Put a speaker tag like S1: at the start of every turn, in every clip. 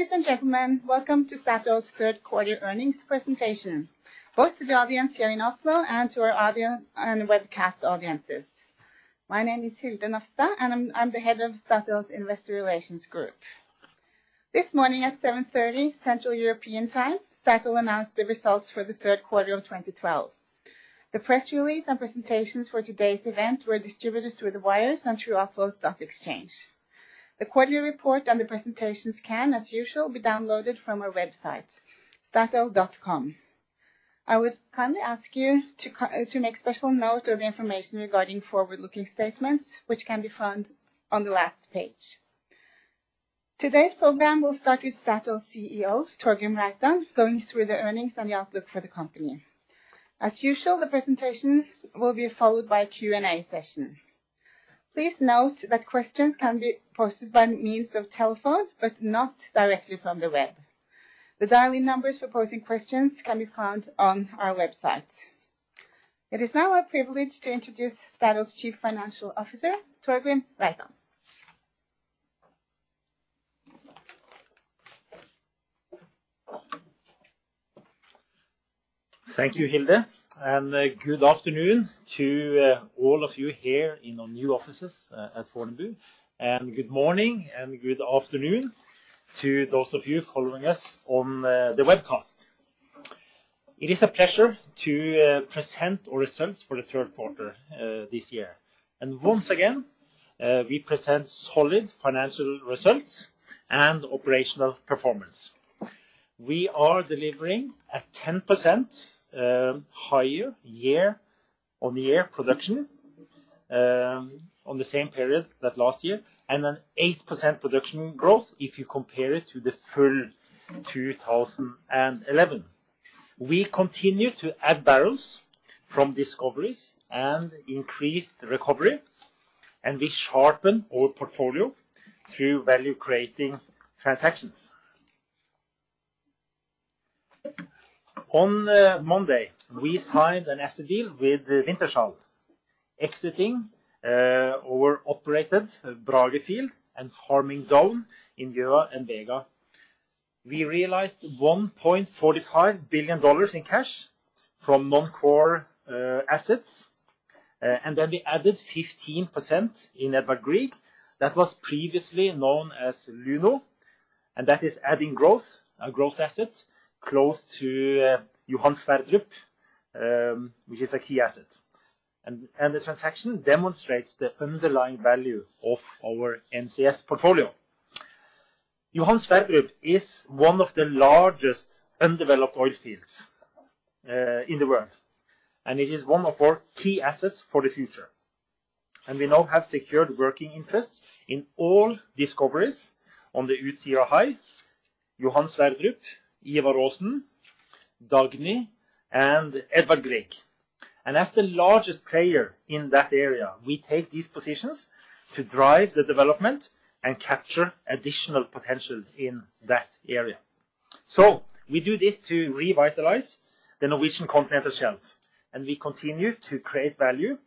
S1: Ladies and gentlemen, welcome to Statoil's Q3 earnings presentation, both to the audience here in Oslo and to our audience and webcast audiences. My name is Hilde Nafstad, and I'm the head of Statoil's Investor Relations group. This morning at 7:30 A.M., Central European Time, Statoil announced the results for the Q3 of 2012. The press release and presentations for today's event were distributed through the wires and through Oslo's stock exchange. The quarterly report and the presentations can, as usual, be downloaded from our website, statoil.com. I would kindly ask you to make special note of the information regarding forward-looking statements, which can be found on the last page. Today's program will start with Statoil's CEO, Torgrim Reitan, going through the earnings and the outlook for the company. As usual, the presentations will be followed by a Q&A session. Please note that questions can be posted by means of telephone, but not directly from the web. The dialing numbers for posing questions can be found on our website. It is now our privilege to introduce Statoil's Chief Financial Officer, Torgrim Reitan.
S2: Thank you, Hilde, and good afternoon to all of you here in our new offices at Fornebu. Good morning and good afternoon to those of you following us on the webcast. It is a pleasure to present our results for the Q3 this year. Once again, we present solid financial results and operational performance. We are delivering a 10% higher year-on-year production on the same period that last year, and an 8% production growth if you compare it to the full 2011. We continue to add barrels from discoveries and increase recovery, and we sharpen our portfolio through value-creating transactions. On Monday, we signed an asset deal with Wintershall, exiting our operated Brage field and farming down in Gjøa and Vega. We realized $1.45 billion in cash from non-core assets. We added 15% in Edvard Grieg. That was previously known as Luno, and that is adding growth assets close to Johan Sverdrup, which is a key asset. The transaction demonstrates the underlying value of our NCS portfolio. Johan Sverdrup is one of the largest undeveloped oil fields in the world, and it is one of our key assets for the future. We now have secured working interests in all discoveries on the Utsira High, Johan Sverdrup, Ivar Aasen, Dagny, and Edvard Grieg. As the largest player in that area, we take these positions to drive the development and capture additional potential in that area. We do this to revitalize the Norwegian Continental Shelf, and we continue to create value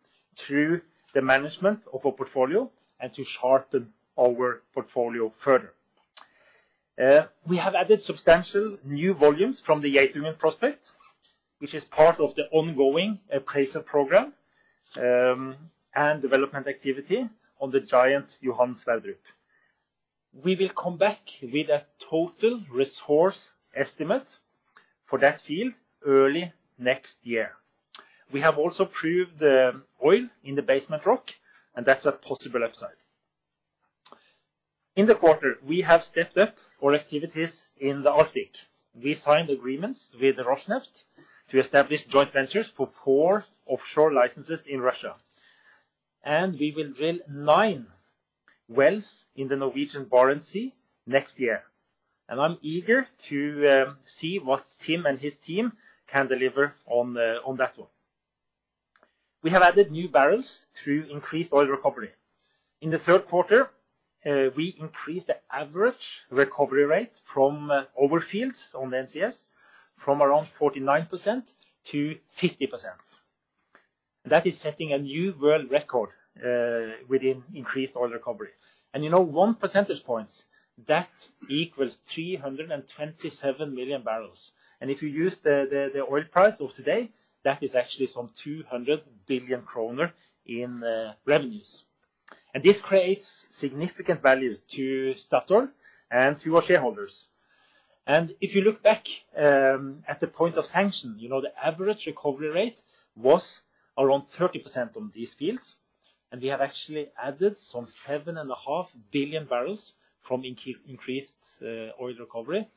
S2: through the management of our portfolio and to sharpen our portfolio further. We have added substantial new volumes from the Ytre Hud prospect, which is part of the ongoing appraisal program, and development activity on the giant Johan Sverdrup. We will come back with a total resource estimate for that field early next year. We have also proved oil in the basement rock, and that's a possible upside. In the quarter, we have stepped up our activities in the Arctic. We signed agreements with Rosneft to establish joint ventures for four offshore licenses in Russia. We will drill nine wells in the Norwegian Barents Sea next year. I'm eager to see what Tim and his team can deliver on that one. We have added new barrels through increased oil recovery. In the Q3, we increased the average recovery rate from our fields on the NCS from around 49%-50%. That is setting a new world record within increased oil recovery. You know, one percentage point, that equals 327 million barrels. If you use the oil price of today, that is actually some 200 billion kroner in revenues. This creates significant value to Statoil and to our shareholders. If you look back at the point of sanction, you know, the average recovery rate was around 30% on these fields, and we have actually added some 7.5 billion barrels from increased oil recovery.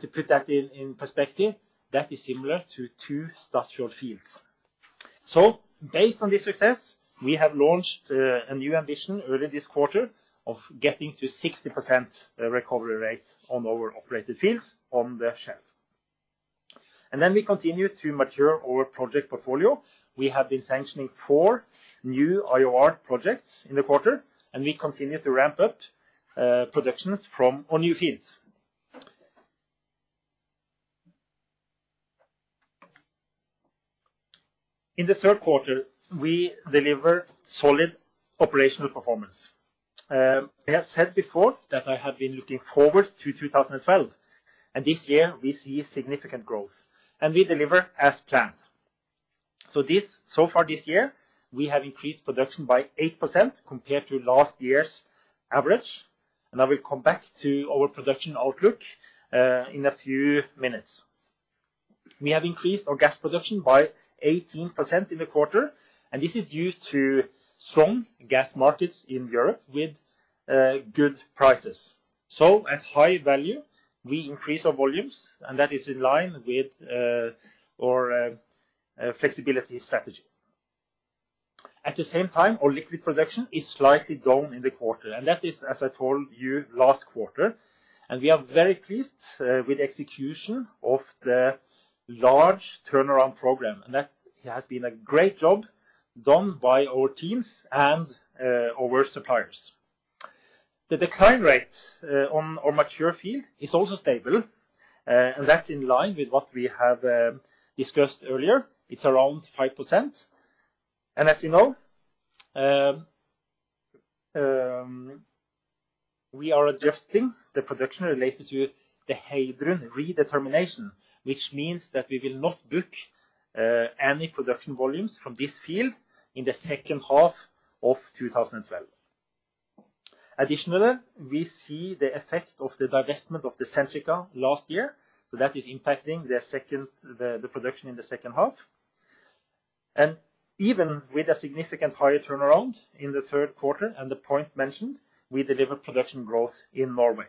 S2: To put that in perspective, that is similar to two Statoil fields. Based on this success, we have launched a new ambition early this quarter of getting to 60% recovery rate on our operated fields on the shelf. We continue to mature our project portfolio. We have been sanctioning 4 new IOR projects in the quarter, and we continue to ramp up productions from our new fields. In the Q3, we delivered solid operational performance. I have said before that I have been looking forward to 2012, and this year we see significant growth, and we deliver as planned. So far this year, we have increased production by 8% compared to last year's average. I will come back to our production outlook in a few minutes. We have increased our gas production by 18% in the quarter, and this is due to strong gas markets in Europe with good prices. At high value, we increase our volumes, and that is in line with our flexibility strategy. At the same time, our liquid production is slightly down in the quarter, and that is, as I told you last quarter, and we are very pleased with execution of the large turnaround program. That has been a great job done by our teams and our suppliers. The decline rate on our mature field is also stable, and that's in line with what we have discussed earlier. It's around 5%. As you know, we are adjusting the production related to the Heidrun redetermination, which means that we will not book any production volumes from this field in the second half of 2012. Additionally, we see the effect of the divestment of the Centrica last year, so that is impacting the production in the second half. Even with a significant higher turnaround in the Q3 and the point mentioned, we deliver production growth in Norway.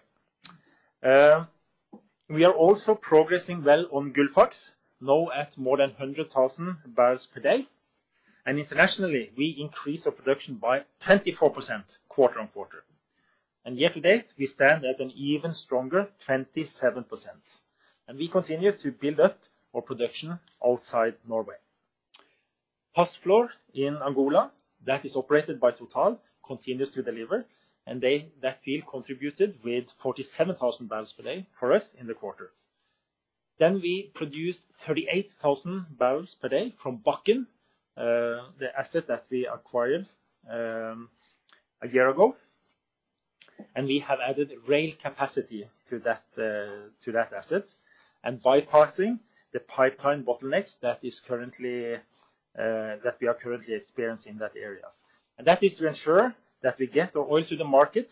S2: We are also progressing well on Gullfaks, now at more than 100,000 barrels per day. Internationally, we increase our production by 24% quarter-on-quarter. Year-to-date, we stand at an even stronger 27%. We continue to build up our production outside Norway. Pazflor in Angola, that is operated by Total, continues to deliver. That field contributed with 47,000 barrels per day for us in the quarter. We produced 38,000 barrels per day from Bakken, the asset that we acquired a year ago, and we have added rail capacity to that asset, bypassing the pipeline bottlenecks that we are currently experiencing in that area. That is to ensure that we get our oil to the market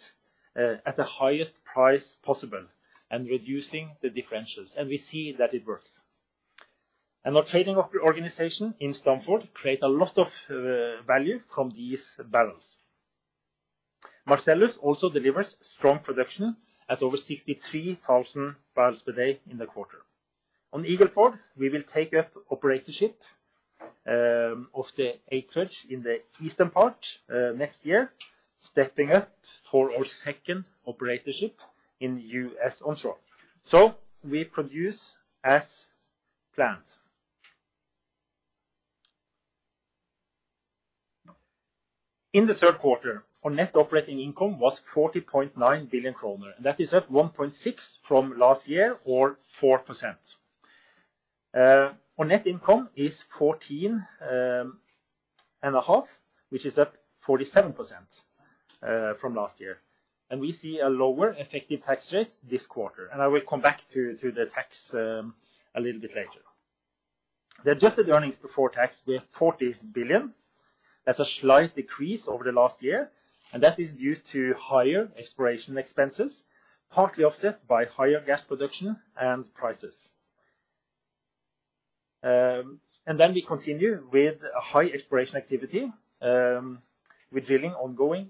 S2: at the highest price possible and reducing the differentials, and we see that it works. Our trading organization in Stamford create a lot of value from these barrels. Marcellus also delivers strong production at over 63,000 barrels per day in the quarter. On Eagle Ford, we will take up operatorship of the acreage in the eastern part next year, stepping up for our second operatorship in U.S. onshore. We produce as planned. In the Q3, our net operating income was 40.9 billion kroner, and that is up 1.6 billion from last year or 4%. Our net income is 14.5 billion, which is up 47% from last year. We see a lower effective tax rate this quarter, and I will come back to the tax a little bit later. The adjusted earnings before tax were 40 billion. That's a slight decrease over the last year, and that is due to higher exploration expenses, partly offset by higher gas production and prices. We continue with a high exploration activity, with drilling ongoing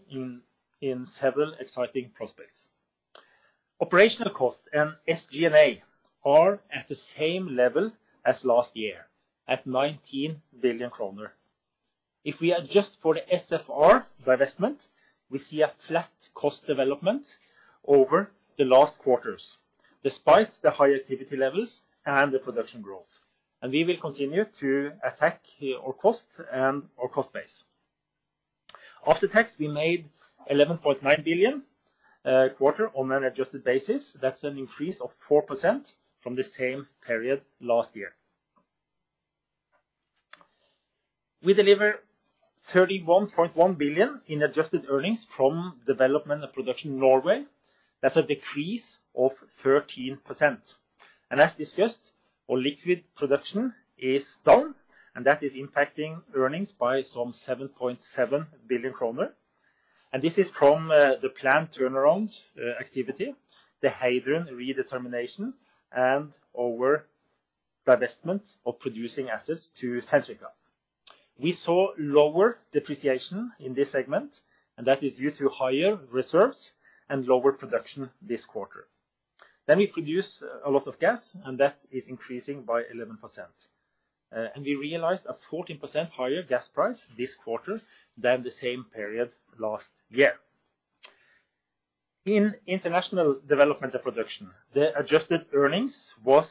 S2: in several exciting prospects. Operational costs and SG&A are at the same level as last year, at 19 billion kroner. If we adjust for the SFR divestment, we see a flat cost development over the last quarters, despite the higher activity levels and the production growth. We will continue to attack our cost and our cost base. After tax, we made 11.9 billion quarter on an adjusted basis. That's an increase of 4% from the same period last year. We deliver 31.1 billion in adjusted earnings from development and production in Norway. That's a decrease of 13%. As discussed, our liquid production is down, and that is impacting earnings by some 7.7 billion kroner. This is from the planned turnaround activity, the Heidrun redetermination, and our divestment of producing assets to Centrica. We saw lower depreciation in this segment, and that is due to higher reserves and lower production this quarter. We produce a lot of gas, and that is increasing by 11%. We realized a 14% higher gas price this quarter than the same period last year. In international development and production, the adjusted earnings was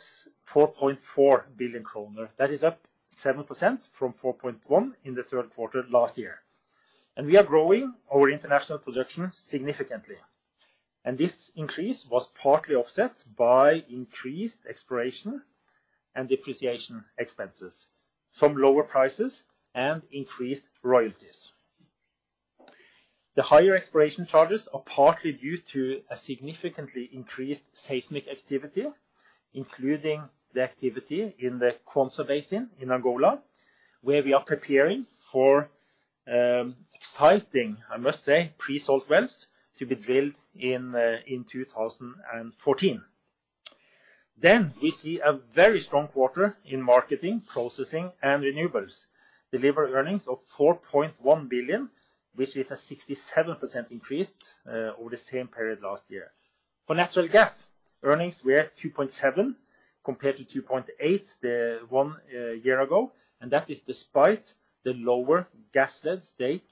S2: 4.4 billion kroner. That is up 7% from 4.1 billion in the Q3 last year. We are growing our international production significantly. This increase was partly offset by increased exploration and depreciation expenses from lower prices and increased royalties. The higher exploration charges are partly due to a significantly increased seismic activity, including the activity in the Kwanza Basin in Angola, where we are preparing for exciting, I must say, pre-salt wells to be drilled in 2014. We see a very strong quarter in marketing, processing and renewables. Deliver earnings of 4.1 billion, which is a 67% increase over the same period last year. For natural gas, earnings were at 2.7 billion compared to 2.8 billion one year ago, and that is despite the lower Gassled stake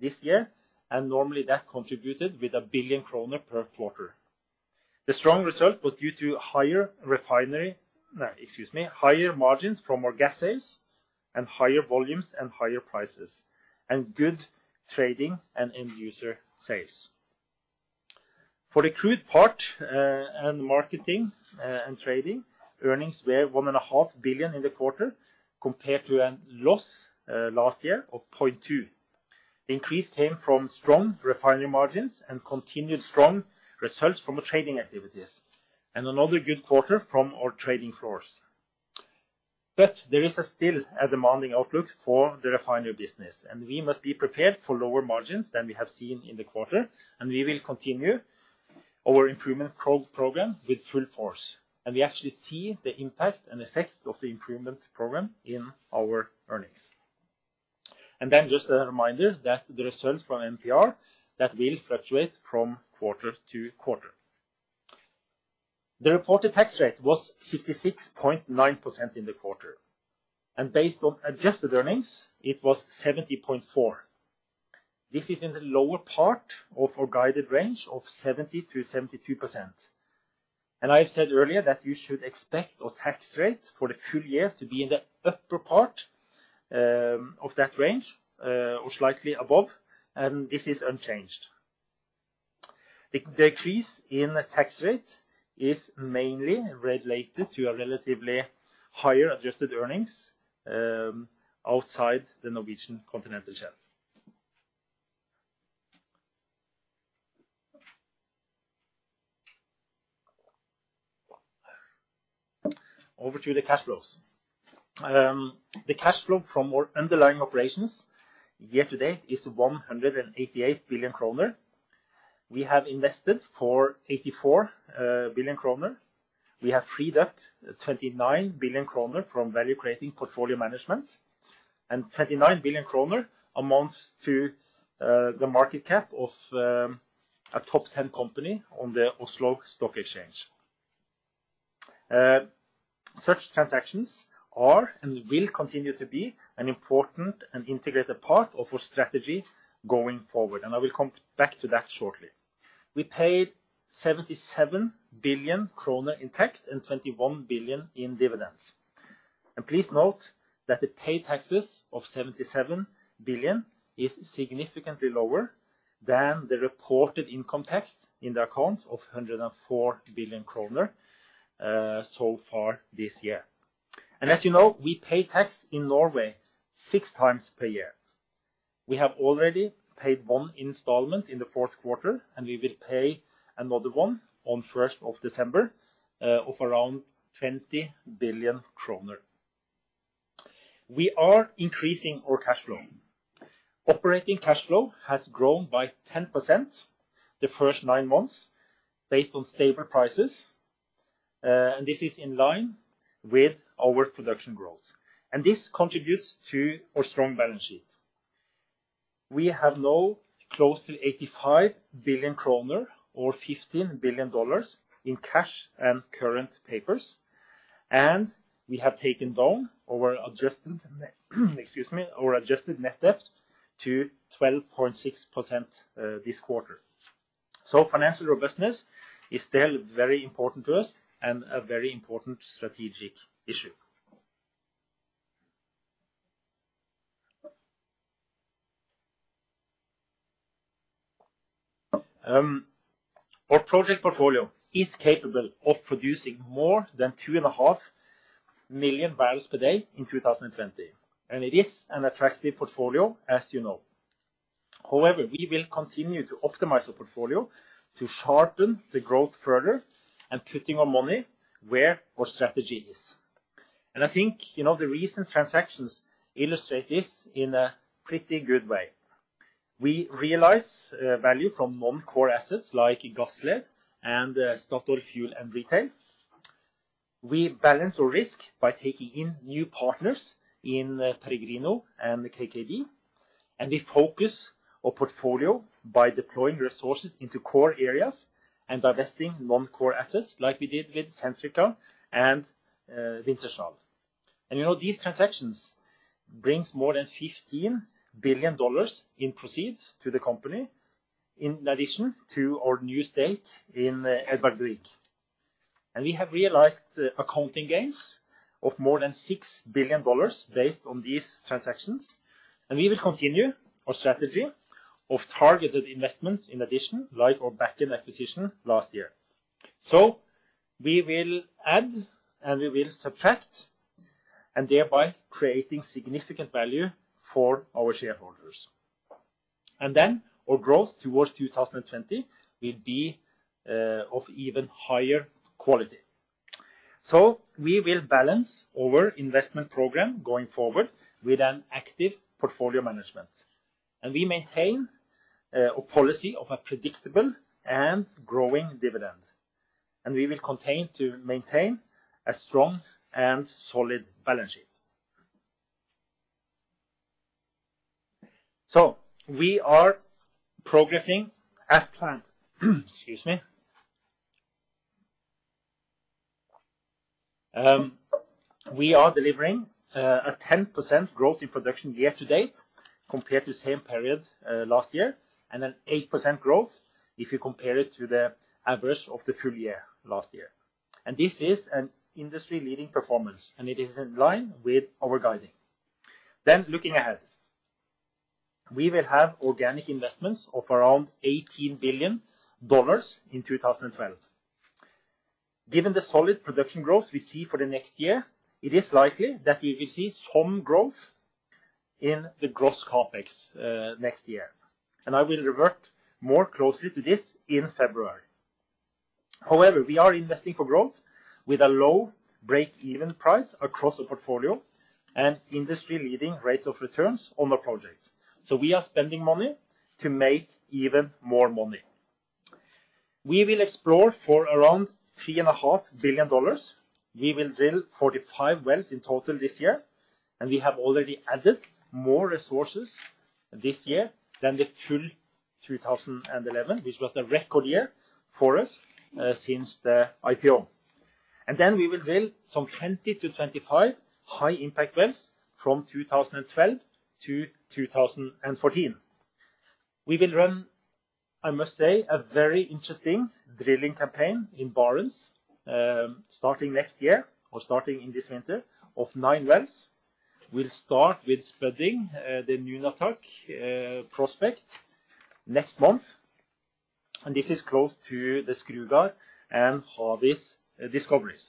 S2: this year, and normally that contributed with 1 billion kroner per quarter. The strong result was due to higher margins from our gas sales and higher volumes and higher prices, and good trading and end user sales. For the crude part, and marketing, and trading, earnings were 1.5 billion in the quarter compared to a loss last year of 0.2 billion. Increase came from strong refinery margins and continued strong results from the trading activities, and another good quarter from our trading floors. There is still a demanding outlook for the refinery business, and we must be prepared for lower margins than we have seen in the quarter, and we will continue our improvement program with full force. We actually see the impact and effect of the improvement program in our earnings. Just a reminder that the results from MPR will fluctuate from quarter to quarter. The reported tax rate was 66.9% in the quarter, and based on adjusted earnings, it was 70.4%. This is in the lower part of our guided range of 70%-72%. I said earlier that you should expect our tax rate for the full year to be in the upper part of that range or slightly above, and this is unchanged. The decrease in the tax rate is mainly related to a relatively higher adjusted earnings outside the Norwegian continental shelf. Over to the cash flows. The cash flow from our underlying operations year-to-date is 188 billion kroner. We have invested for 84 billion kroner. We have freed up 29 billion kroner from value-creating portfolio management, and 29 billion kroner amounts to the market cap of a top ten company on the Oslo Børs. Such transactions are and will continue to be an important and integrated part of our strategy going forward. I will come back to that shortly. We paid 77 billion kroner in tax and 21 billion in dividends. Please note that the paid taxes of 77 billion is significantly lower than the reported income tax in the accounts of 104 billion kroner, so far this year. As you know, we pay tax in Norway six times per year. We have already paid one installment in the Q4, and we will pay another one on first of December, of around 20 billion kroner. We are increasing our cash flow. Operating cash flow has grown by 10% the first 9 months based on safer prices, and this is in line with our production growth. This contributes to our strong balance sheet. We have now close to 85 billion kroner or $15 billion in cash and current papers, and we have taken down our adjusted net debts to 12.6% this quarter. Financial robustness is still very important to us and a very important strategic issue. Our project portfolio is capable of producing more than 2.5 million barrels per day in 2020, and it is an attractive portfolio, as you know. However, we will continue to optimize the portfolio to sharpen the growth further and putting our money where our strategy is. I think, you know, the recent transactions illustrate this in a pretty good way. We realize value from non-core assets like Gassled and Statoil Fuel & Retail. We balance our risk by taking in new partners in Peregrino and the KKB. We focus our portfolio by deploying resources into core areas and divesting non-core assets like we did with Centrica and Wintershall. You know, these transactions brings more than $15 billion in proceeds to the company in addition to our new stake in Edvard Grieg. We have realized accounting gains of more than $6 billion based on these transactions. We will continue our strategy of targeted investments in addition, like our Bakken acquisition last year. We will add, and we will subtract, and thereby creating significant value for our shareholders. Our growth towards 2020 will be of even higher quality. We will balance our investment program going forward with an active portfolio management. We maintain a policy of a predictable and growing dividend, and we will continue to maintain a strong and solid balance sheet. We are progressing as planned. Excuse me. We are delivering a 10% growth in production year to date compared to the same period last year, and an 8% growth if you compare it to the average of the full year last year. This is an industry-leading performance, and it is in line with our guidance. Looking ahead, we will have organic investments of around $18 billion in 2012. Given the solid production growth we see for the next year, it is likely that we will see some growth in the gross CapEx next year. I will revert more closely to this in February. However, we are investing for growth with a low break-even price across the portfolio and industry-leading rates of returns on the projects. We are spending money to make even more money. We will explore for around $3.5 billion. We will drill 45 wells in total this year, and we have already added more resources this year than the full 2011, which was a record year for us since the IPO. We will drill some 20-25 high-impact wells from 2012 to 2014. We will run, I must say, a very interesting drilling campaign in Barents starting next year or starting in this winter of 9 wells. We'll start with spudding the Nunatak prospect next month, and this is close to the Skrugard and Havis discoveries.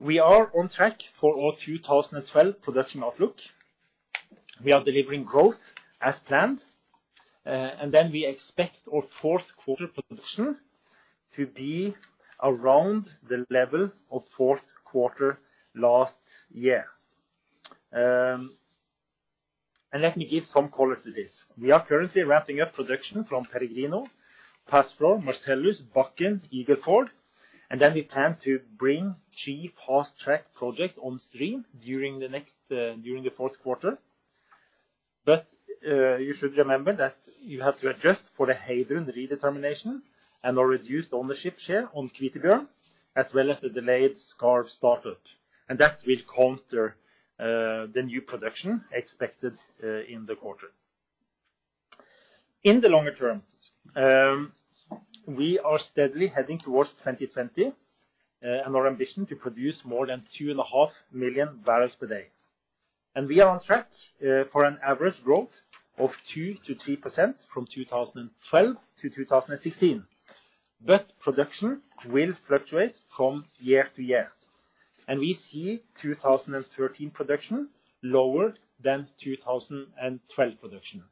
S2: We are on track for our 2012 production outlook. We are delivering growth as planned, and then we expect our Q4 production to be around the level of Q4 last year. Let me give some color to this. We are currently ramping up production from Peregrino, Pazflor, Marcellus, Bakken, Eagle Ford, and then we plan to bring three fast-track projects on stream during the Q4. You should remember that you have to adjust for the Heidrun redetermination and our reduced ownership share on Kristin, as well as the delayed Skarv startup, and that will counter the new production expected in the quarter. In the longer term, we are steadily heading towards 2020, and our ambition to produce more than 2.5 million barrels per day. We are on track for an average growth of 2%-3% from 2012 to 2016. Production will fluctuate from year to year, and we see 2013 production lower than 2012 production.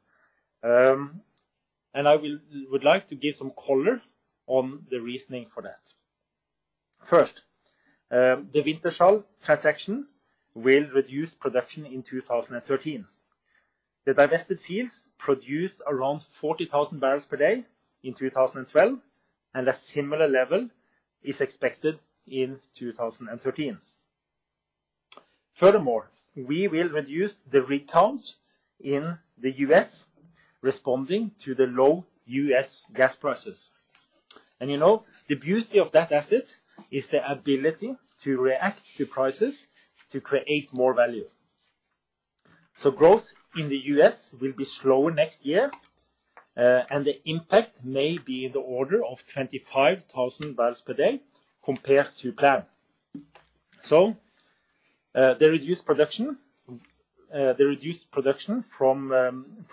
S2: I would like to give some color on the reasoning for that. First, the Wintershall transaction will reduce production in 2013. The divested fields produce around 40,000 barrels per day in 2012, and a similar level is expected in 2013. Furthermore, we will reduce the rig counts in the U.S. responding to the low U.S. Gas prices. You know, the beauty of that asset is the ability to react to prices to create more value. Growth in the U.S. will be slower next year, and the impact may be in the order of 25,000 barrels per day compared to plan. The reduced production from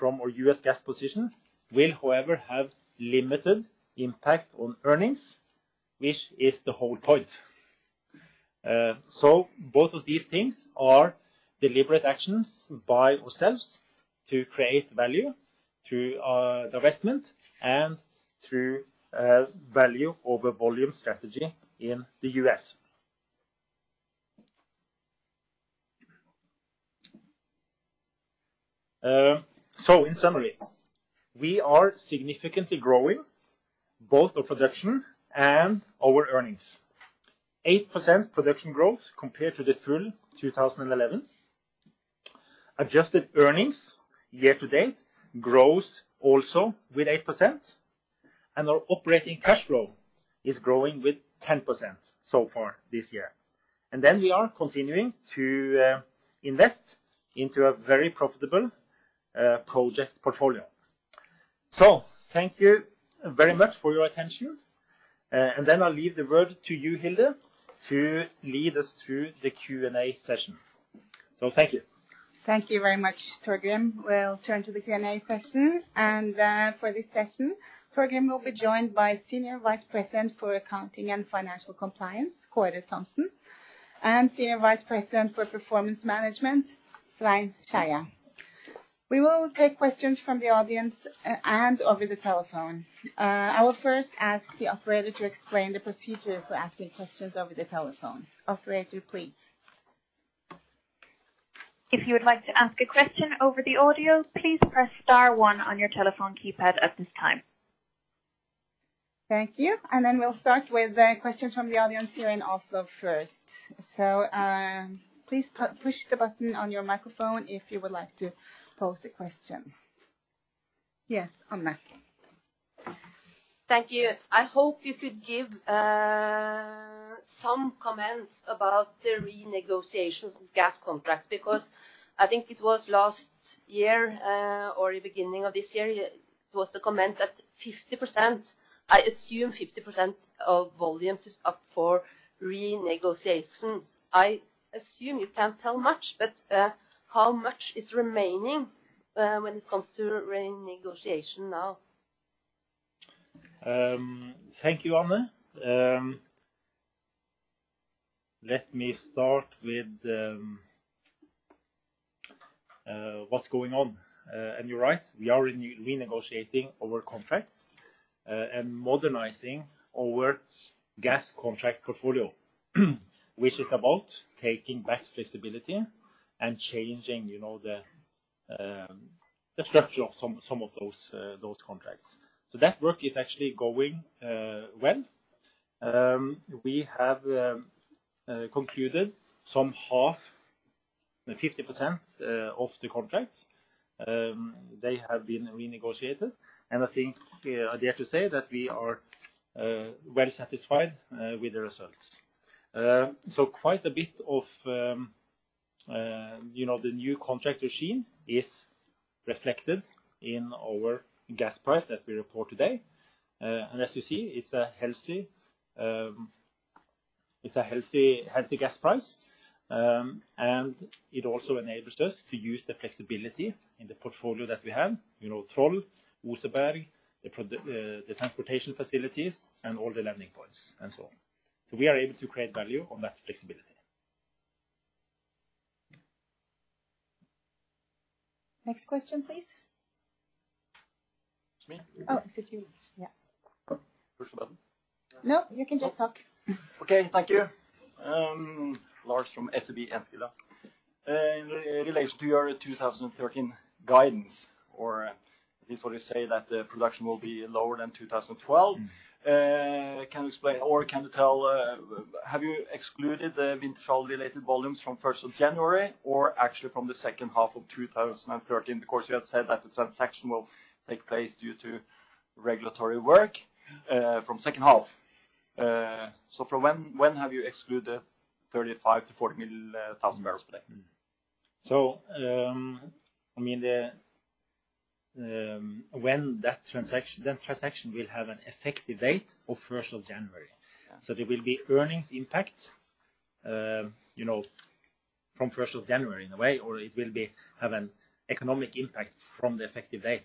S2: our U.S. Gas position will, however, have limited impact on earnings, which is the whole point. Both of these things are deliberate actions by ourselves to create value through divestment and through value over volume strategy in the U.S. In summary, we are significantly growing both our production and our earnings. 8% production growth compared to the full 2011. Adjusted earnings year to date grows also with 8%, and our operating cash flow is growing with 10% so far this year. We are continuing to invest into a very profitable project portfolio. Thank you very much for your attention, and then I'll leave the word to you, Hilde, to lead us through the Q&A session. Thank you.
S1: Thank you very much, Torgrim. We'll turn to the Q&A session, and for this session, Torgrim will be joined by Senior Vice President for Accounting and Financial Compliance, Kåre Thomsen, and Senior Vice President for Performance Management, Svein Skeie. We will take questions from the audience and over the telephone. I will first ask the operator to explain the procedure for asking questions over the telephone. Operator, please.
S3: If you would like to ask a question over the audio, please press star one on your telephone keypad at this time.
S1: Thank you. We'll start with the questions from the audience here and also first. Please push the button on your microphone if you would like to pose a question. Yes, Anne.
S4: Thank you. I hope you could give some comments about the renegotiation of gas contracts, because I think it was last year or the beginning of this year, it was the comment that 50%, I assume, of volumes is up for renegotiation. I assume you can't tell much, but how much is remaining when it comes to renegotiation now?
S2: Thank you, Anne. Let me start with what's going on. You're right, we are renegotiating our contracts and modernizing our gas contract portfolio, which is about taking back flexibility and changing, you know, the structure of some of those contracts. That work is actually going well. We have concluded about half, 50%, of the contracts. They have been renegotiated, and I think I dare to say that we are well satisfied with the results. Quite a bit of, you know, the new contract mechanism is reflected in our gas price that we report today. As you see, it's a healthy gas price. It also enables us to use the flexibility in the portfolio that we have. You know, Troll, Oseberg, the transportation facilities and all the landing points and so on. We are able to create value on that flexibility.
S1: Next question, please.
S5: It's me?
S1: Oh, it's you. Yeah.
S5: Push the button?
S1: No, you can just talk.
S5: Okay. Thank you. Lars from SEB Enskilda. In relation to your 2013 guidance, or at least what you say that the production will be lower than 2012. Can you explain or can you tell, have you excluded the Wintershall-related volumes from first of January or actually from the second half of 2013? Because you have said that the transaction will take place due to regulatory work from second half. From when have you excluded 35 thousand-40 thousand barrels per day? I mean, when that transaction. That transaction will have an effective date of first of January.
S2: There will be earnings impact, you know, from first of January in a way or it will have an economic impact from the effective date.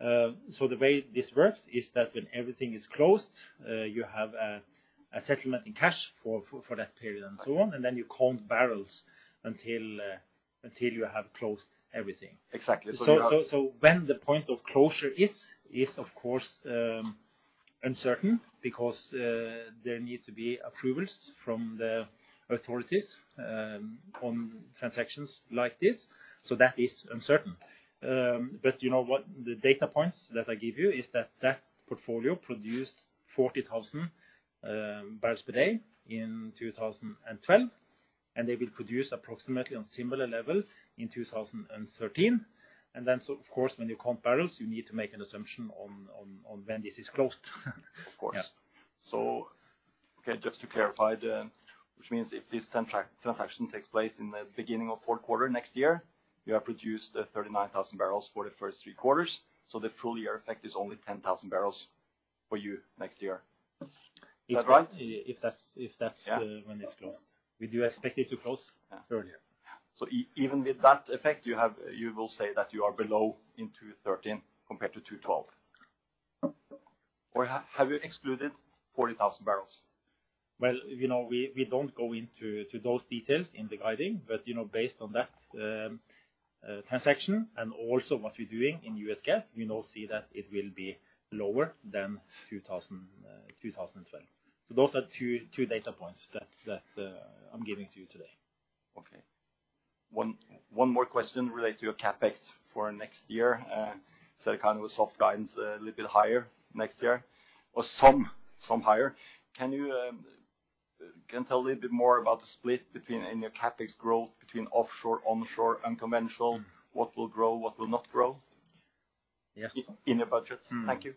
S2: The way this works is that when everything is closed, you have a settlement in cash for that period and so on, and then you count barrels until you have closed everything.
S5: Exactly. You are.
S2: When the point of closure is of course uncertain because there needs to be approvals from the authorities on transactions like this. That is uncertain. But you know what? The data points that I give you is that that portfolio produced 40,000 barrels per day in 2012, and they will produce approximately on similar level in 2013. Of course, when you count barrels, you need to make an assumption on when this is closed.
S5: Of course.
S2: Yeah.
S5: Okay, just to clarify, then, which means if this transaction takes place in the beginning of Q4 next year, you have produced 39,000 barrels for the first three quarters. The full year effect is only 10,000 barrels for you next year. Is that right?
S2: If that's.
S5: Yeah.
S2: when it's closed. We do expect it to close earlier.
S5: Even with that effect you have, you will say that you are below in 2013 compared to 2012. Or have you excluded 40,000 barrels?
S2: Well, you know, we don't go into those details in the guidance. You know, based on that transaction and also what we're doing in U.S. Gas, we now see that it will be lower than 2012. Those are two data points that I'm giving to you today.
S5: Okay. One more question related to your CapEx for next year. Kind of a soft guidance, a little bit higher next year or something higher. Can you tell a little bit more about the split in your CapEx growth between offshore, onshore and conventional, what will grow, what will not grow?
S2: Yes.
S5: In your budget.
S2: Mm-hmm.
S5: Thank you.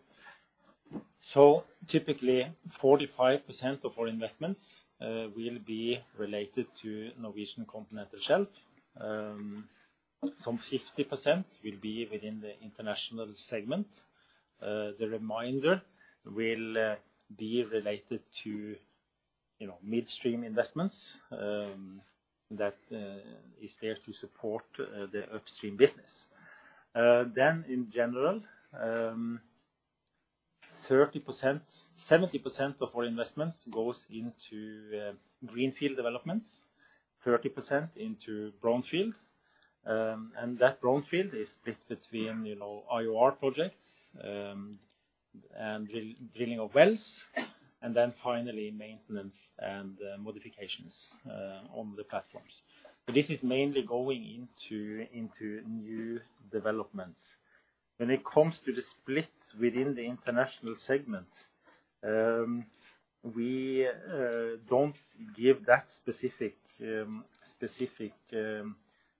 S2: Typically 45% of our investments will be related to Norwegian continental shelf. Some 50% will be within the international segment. The remainder will be related to, you know, midstream investments that is there to support the upstream business. In general, 70% of our investments goes into greenfield developments, 30% into brownfield. That brownfield is split between, you know, IOR projects and drilling of wells, and then finally maintenance and modifications on the platforms. This is mainly going into new developments. When it comes to the split within the international segment, we don't give that specific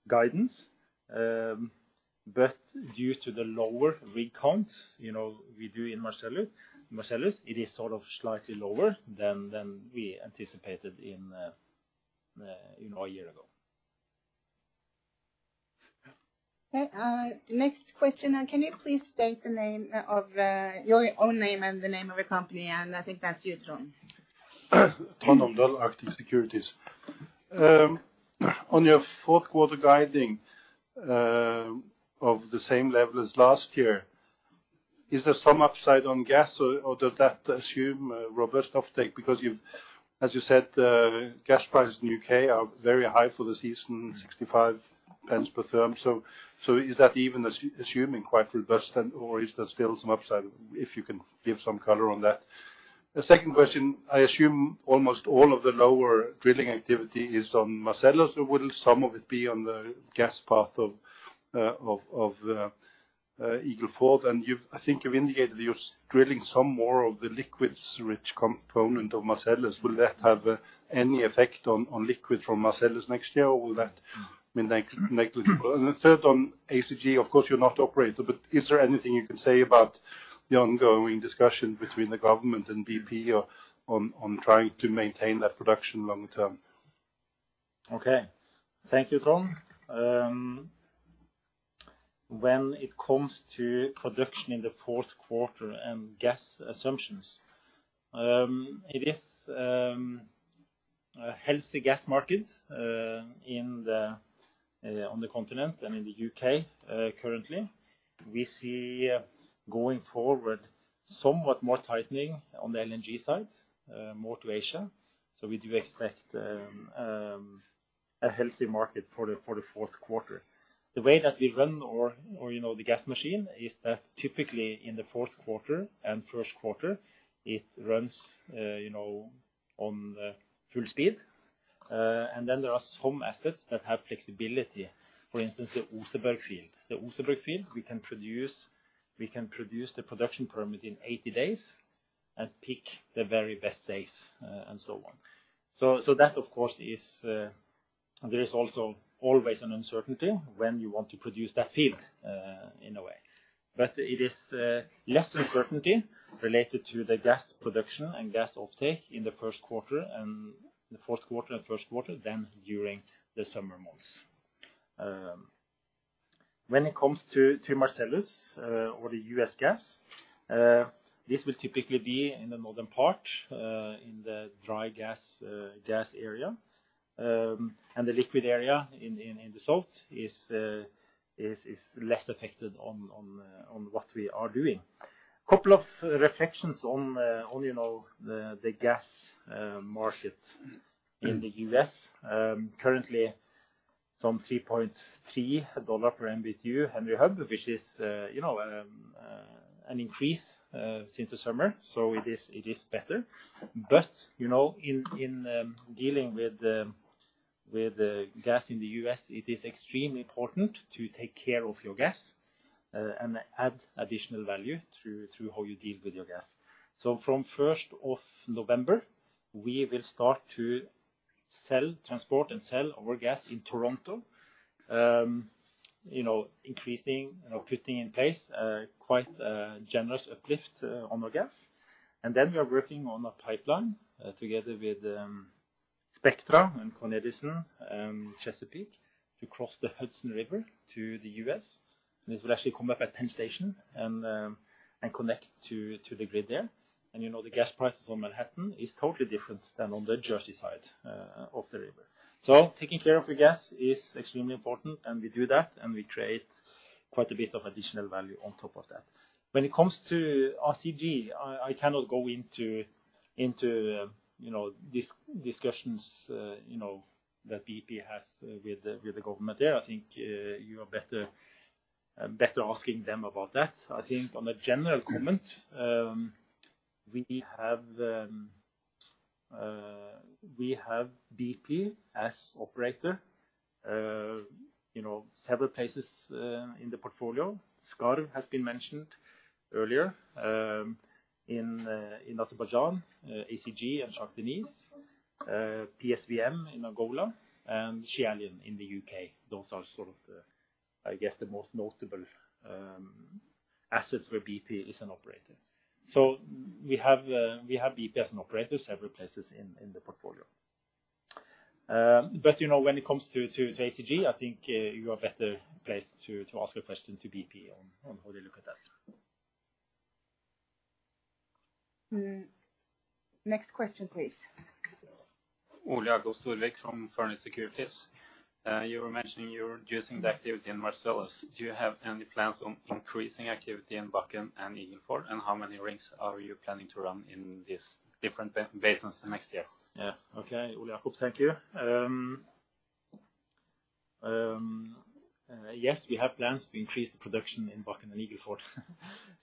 S2: guidance. Due to the lower rig count, you know, we do in Marcellus. It is sort of slightly lower than we anticipated a year ago.
S1: Okay. The next question, and can you please state the name of your own name and the name of your company? I think that's you, Trond.
S6: Trond Omdal, Arctic Securities. On your Q4 guidance of the same level as last year, is there some upside on gas, or does that assume a robust offtake? Because, as you said, gas prices in U.K. are very high for the season, 0.65 per therm. So is that even assuming quite robust? And/or is there still some upside, if you can give some color on that. The second question, I assume almost all of the lower drilling activity is on Marcellus, or will some of it be on the gas part of Eagle Ford? And I think you've indicated you're drilling some more of the liquids-rich component of Marcellus. Will that have any effect on liquid from Marcellus next year, or will that mean next year? The third on ACG, of course, you're not operator, but is there anything you can say about the ongoing discussion between the government and BP on trying to maintain that production long term?
S2: Okay. Thank you, Trond. When it comes to production in the Q4 and gas assumptions, it is a healthy gas market on the continent and in the U.K. currently. We see going forward, somewhat more tightening on the LNG side, more to Asia. We do expect a healthy market for the Q4. The way that we run our you know, the gas machine is that typically in the Q4 and Q1, it runs you know, on full speed. Then there are some assets that have flexibility. For instance, the Oseberg Field. The Oseberg Field, we can produce the production permit in 80 days and pick the very best days, and so on. That, of course, there is also always an uncertainty when you want to produce that field, in a way. It is less uncertainty related to the gas production and gas off-take in the Q1 and the Q4 than during the summer months. When it comes to Marcellus or the U.S. gas, this will typically be in the northern part, in the dry gas area. The liquid area in the south is less affected on what we are doing. Couple of reflections on, you know, the gas market in the U.S. Currently $3.3 per MBtu Henry Hub, which is, you know, an increase since the summer, so it is better. You know, in dealing with the gas in the U.S., it is extremely important to take care of your gas and add additional value through how you deal with your gas. From first of November, we will start to sell, transport and sell our gas in Toronto. You know, increasing, you know, putting in place quite generous uplift on our gas. Then we are working on a pipeline together with Spectra and Con Edison, Chesapeake to cross the Hudson River to the U.S. This will actually come up at Penn Station and connect to the grid there. You know, the gas prices on Manhattan is totally different than on the Jersey side of the river. Taking care of the gas is extremely important, and we do that, and we create quite a bit of additional value on top of that. When it comes to ACG, I cannot go into, you know, discussions, you know, that BP has with the government there. I think, you are better asking them about that. I think on a general comment, we have BP as operator, you know, several places in the portfolio. Skarv has been mentioned earlier in Azerbaijan, ACG and Shah Deniz. PSVM in Angola and Schiehallion in the U.K. Those are sort of the, I guess, the most notable assets where BP is an operator. We have BP as an operator several places in the portfolio. You know, when it comes to ACG, I think you are better placed to ask a question to BP on how they look at that.
S1: Next question, please.
S7: Ole Jakob Skarebekk from First Securities. You were mentioning you're reducing the activity in Marcellus. Do you have any plans on increasing activity in Bakken and Eagle Ford? How many rigs are you planning to run in these different basins next year?
S2: Yeah, okay. Ole Jakob, thank you. Yes, we have plans to increase the production in Bakken and Eagle Ford.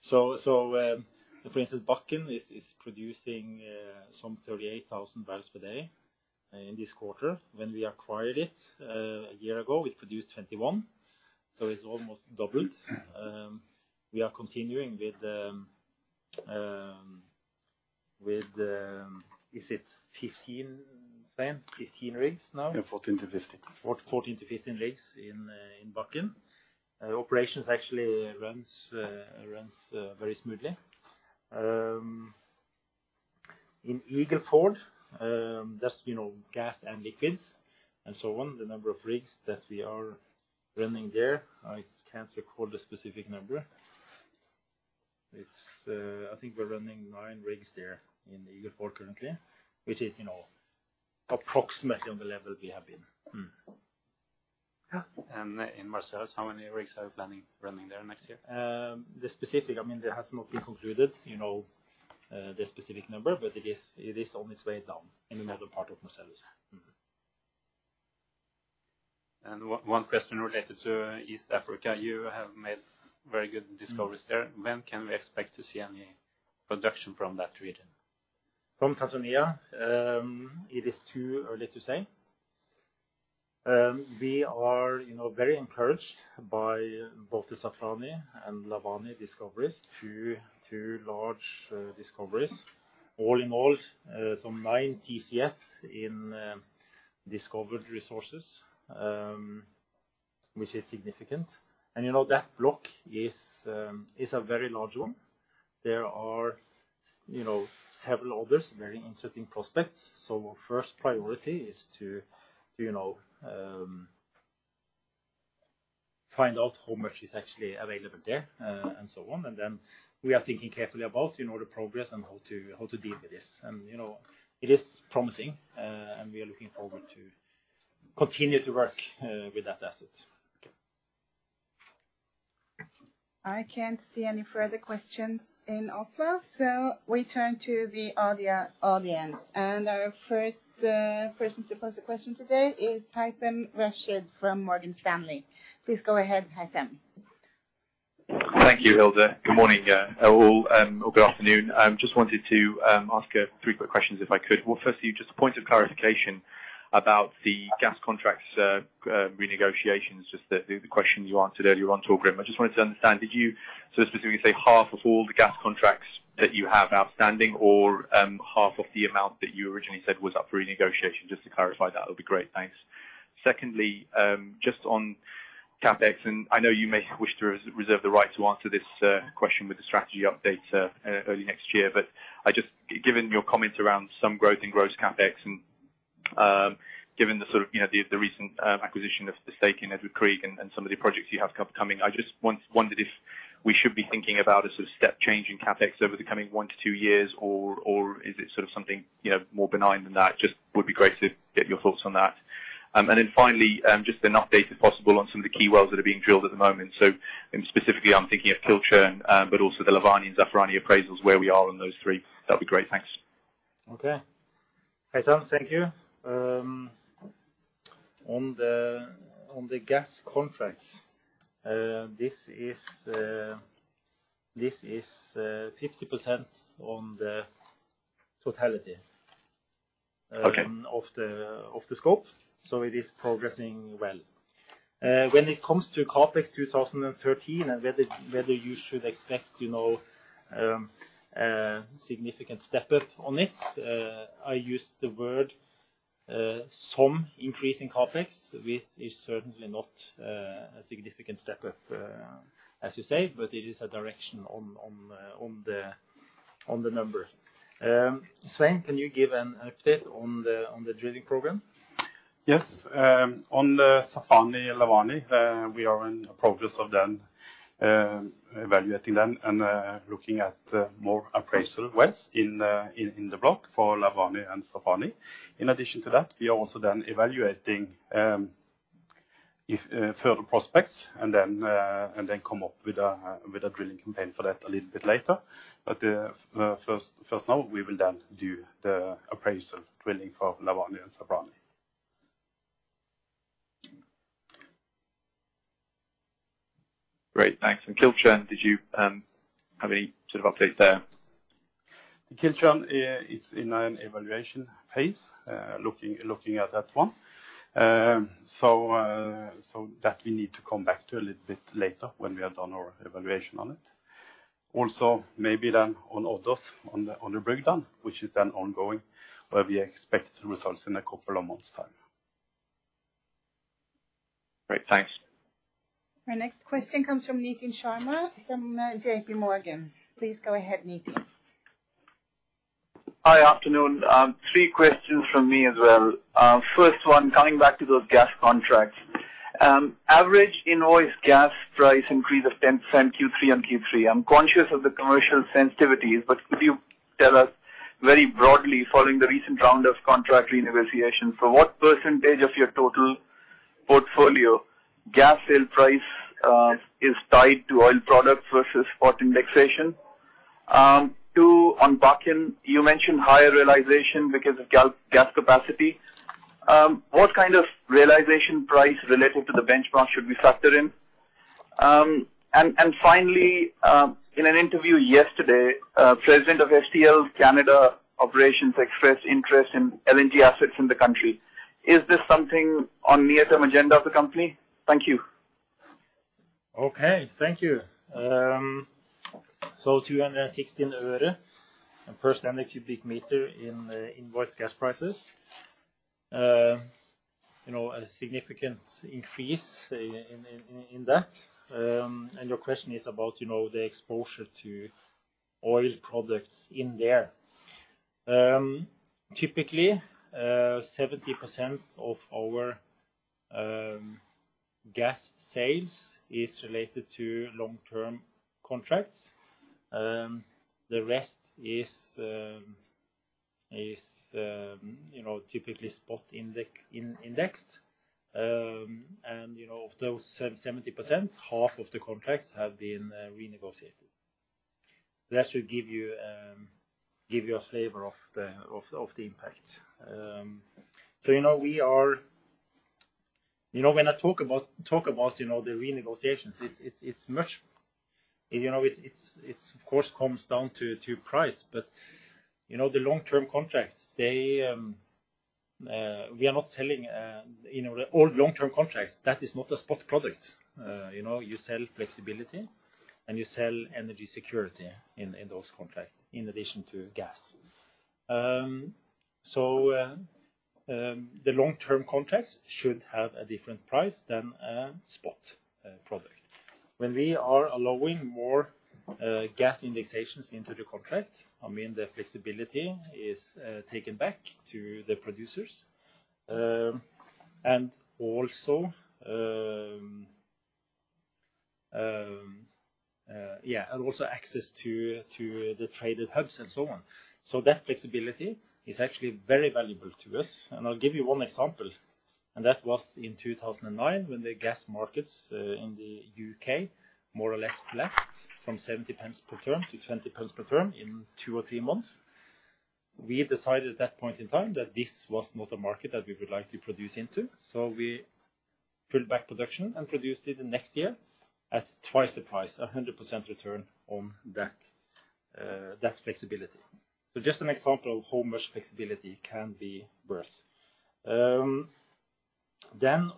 S2: For instance, Bakken is producing some 38,000 barrels per day in this quarter. When we acquired it, a year ago, it produced 21,000, so it's almost doubled. We are continuing with is it 15, Svein, 15 rigs now?
S8: Yeah, 14-15.
S2: 14-15 rigs in Bakken. Operations actually runs very smoothly. In Eagle Ford, that's, you know, gas and liquids and so on. The number of rigs that we are running there, I can't recall the specific number. It's, I think we're running 9 rigs there in Eagle Ford currently, which is, you know, approximately on the level we have been.
S7: Yeah, in Marcellus, how many rigs are you planning running there next year?
S2: I mean, it has not been concluded, you know, the specific number, but it is on its way down in the northern part of Marcellus.
S7: One question related to East Africa. You have made very good discoveries there. When can we expect to see any production from that region?
S2: From Tanzania, it is too early to say. We are, you know, very encouraged by both the Zafarani and Lavani discoveries, two large discoveries. All in all, some nine TCF in discovered resources, which is significant. You know, that block is a very large one. There are, you know, several others, very interesting prospects. First priority is to, you know, find out how much is actually available there, and so on. Then we are thinking carefully about, you know, the progress and how to deal with this. You know, it is promising, and we are looking forward to continue to work with that asset.
S1: I can't see any further questions in Oslo, so we turn to the audience. Our first person to pose a question today is Haitham Rashid from Morgan Stanley. Please go ahead, Haitham.
S9: Thank you, Hilde. Good morning, all, or good afternoon. I just wanted to ask three quick questions if I could. Well, firstly, just a point of clarification about the gas contracts renegotiations, just the question you answered earlier on to Anne Gjøen. I just wanted to understand, did you specifically say half of all the gas contracts that you have outstanding or half of the amount that you originally said was up for renegotiation? Just to clarify that would be great. Thanks. Secondly, just on CapEx, and I know you may wish to reserve the right to answer this question with the strategy update early next year. Given your comments around some growth in gross CapEx and, given the sort of, you know, the recent acquisition of the stake in Edvard Grieg and some of the projects you have coming, I just wondered if we should be thinking about a sort of step change in CapEx over the coming one to two years or is it sort of something, you know, more benign than that? Just would be great to get your thoughts on that. Then finally, just an update, if possible, on some of the key wells that are being drilled at the moment. Specifically, I'm thinking of Kilchern, but also the Lavani and Zafarani appraisals, where we are on those three. That'd be great. Thanks.
S2: Okay. Haythem, thank you. On the gas contracts, this is 50% on the totality-
S9: Okay
S2: of the scope, so it is progressing well. When it comes to CapEx 2013 and whether you should expect, you know, significant step up on it, I use the word some increase in CapEx, which is certainly not a significant step up as you say, but it is a direction on the number. Svein, can you give an update on the drilling program?
S8: Yes. On the Zafarani and Lavani, we are in the progress of then evaluating them and looking at more appraisal wells in the block for Lavani and Zafarani. In addition to that, we are also then evaluating if further prospects and then come up with a drilling campaign for that a little bit later. First now we will then do the appraisal drilling for Lavani and Zafarani.
S9: Great. Thanks. Corrib, did you have any sort of update there?
S2: Corrib is in an evaluation phase, looking at that one. So that we need to come back to that a little bit later when we are done with our evaluation on it. Also maybe then on others, on the breakdown, which is then ongoing, where we expect results in a couple of months' time.
S9: Great. Thanks.
S3: Our next question comes from Nitin Sharma from JPMorgan. Please go ahead, Nitin.
S10: Hi. Afternoon. Three questions from me as well. First one, coming back to those gas contracts. Average invoice gas price increase of 10% Q3 on Q3. I'm conscious of the commercial sensitivities, but could you tell us very broadly following the recent round of contract renegotiation, so what percentage of your total portfolio gas sale price is tied to oil products versus spot indexation? Two, on Bakken, you mentioned higher realization because of gas capacity. What kind of realization price related to the benchmark should we factor in? And finally, in an interview yesterday, President of Statoil Canada Operations expressed interest in LNG assets in the country. Is this something on near-term agenda of the company? Thank you.
S2: Okay. Thank you. 216 øre per standard cubic meter in indexed gas prices. You know, a significant increase in that. Your question is about, you know, the exposure to oil products in there. Typically, 70% of our gas sales is related to long-term contracts. The rest is typically spot indexed. And, you know, of those 70%, half of the contracts have been renegotiated. That should give you a flavor of the impact. You know, we are. You know, when I talk about the renegotiations, it's much. You know, it's of course comes down to price. You know, the long-term contracts, we are not selling, you know, all long-term contracts, that is not a spot product. You know, you sell flexibility and you sell energy security in those contracts in addition to gas. The long-term contracts should have a different price than a spot product. When we are allowing more gas indexations into the contract, I mean, the flexibility is taken back to the producers. Access to the traded hubs and so on. That flexibility is actually very valuable to us. I'll give you one example, and that was in 2009 when the gas markets in the U.K. more or less collapsed from 0.70 per therm to 0.20 per therm in 2 or 3 months. We decided at that point in time that this was not a market that we would like to produce into, so we pulled back production and produced it the next year at twice the price, 100% return on that flexibility. Just an example of how much flexibility can be worth. Then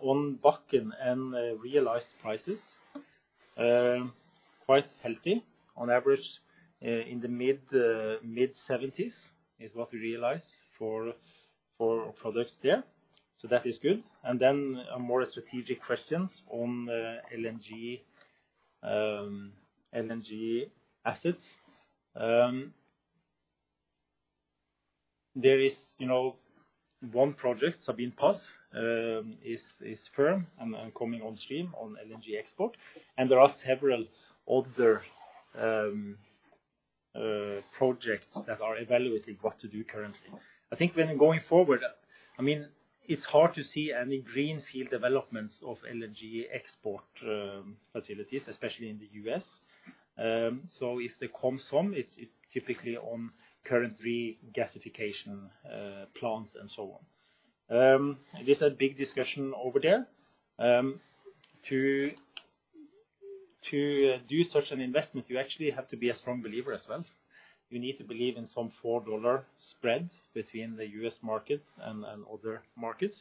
S2: on Bakken and realized prices, quite healthy on average, in the mid-$70s is what we realized for products there. That is good. Then, more strategic questions on LNG assets. There is, you know, one project, Sabine Pass, is firm and coming on stream on LNG export, and there are several other projects that are evaluating what to do currently. I think when going forward, I mean, it's hard to see any greenfield developments of LNG export facilities, especially in the U.S. So if there comes some, it's typically on regasification plants and so on. This is a big discussion over there. To do such an investment, you actually have to be a strong believer as well. You need to believe in some $4 spreads between the U.S. market and other markets,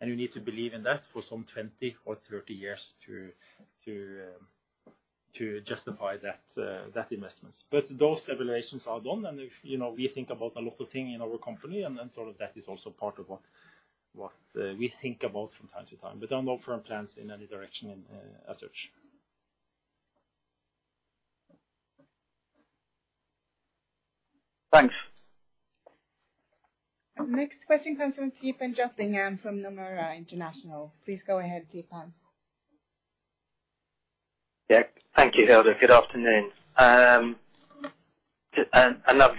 S2: and you need to believe in that for some 20 or 30 years to justify that investment. Those evaluations are done, and if you know, we think about a lot of things in our company, and then sort of that is also part of what we think about from time to time. No firm plans in any direction, as such.
S10: Thanks.
S3: Next question comes from Theepan Jothilingam from Nomura International. Please go ahead, Kepan.
S11: Yeah. Thank you, Hilde. Good afternoon. Another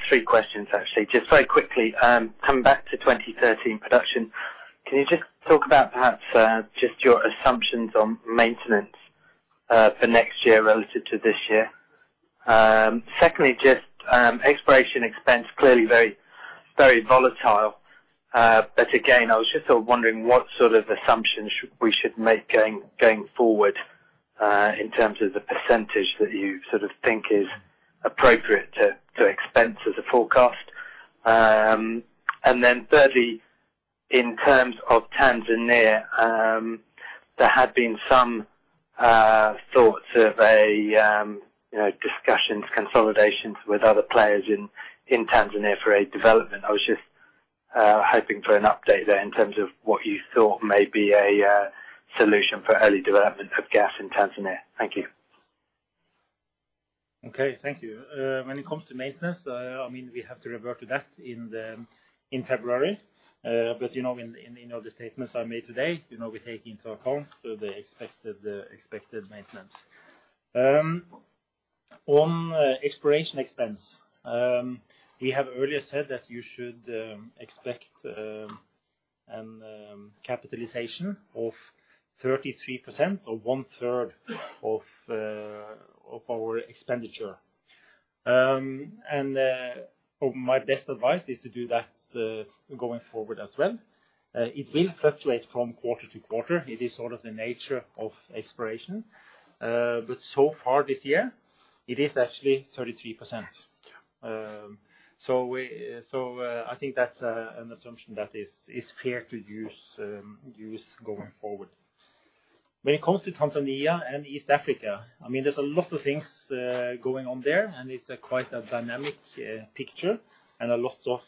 S11: three questions, actually. Just very quickly, coming back to 2013 production, can you just talk about perhaps, just your assumptions on maintenance, for next year relative to this year? Secondly, just, exploration expense, clearly very, very volatile. But again, I was just sort of wondering what sort of assumptions we should make going forward, in terms of the percentage that you sort of think is appropriate to expense as a forecast. And then thirdly. In terms of Tanzania, there had been some, thoughts of a, you know, discussions, consolidations with other players in Tanzania for a development. I was just, hoping for an update there in terms of what you thought may be a solution for early development of gas in Tanzania. Thank you.
S2: Okay. Thank you. When it comes to maintenance, I mean, we have to revert to that in February. You know, in you know, the statements are made today, you know, we're taking into account so the expected maintenance. On exploration expense, we have earlier said that you should expect capitalization of 33% or one-third of our expenditure. My best advice is to do that going forward as well. It will fluctuate from quarter to quarter. It is sort of the nature of exploration. So far this year, it is actually 33%. So, I think that's an assumption that is fair to use going forward. When it comes to Tanzania and East Africa, I mean, there's a lot of things going on there, and it's quite a dynamic picture and a lot of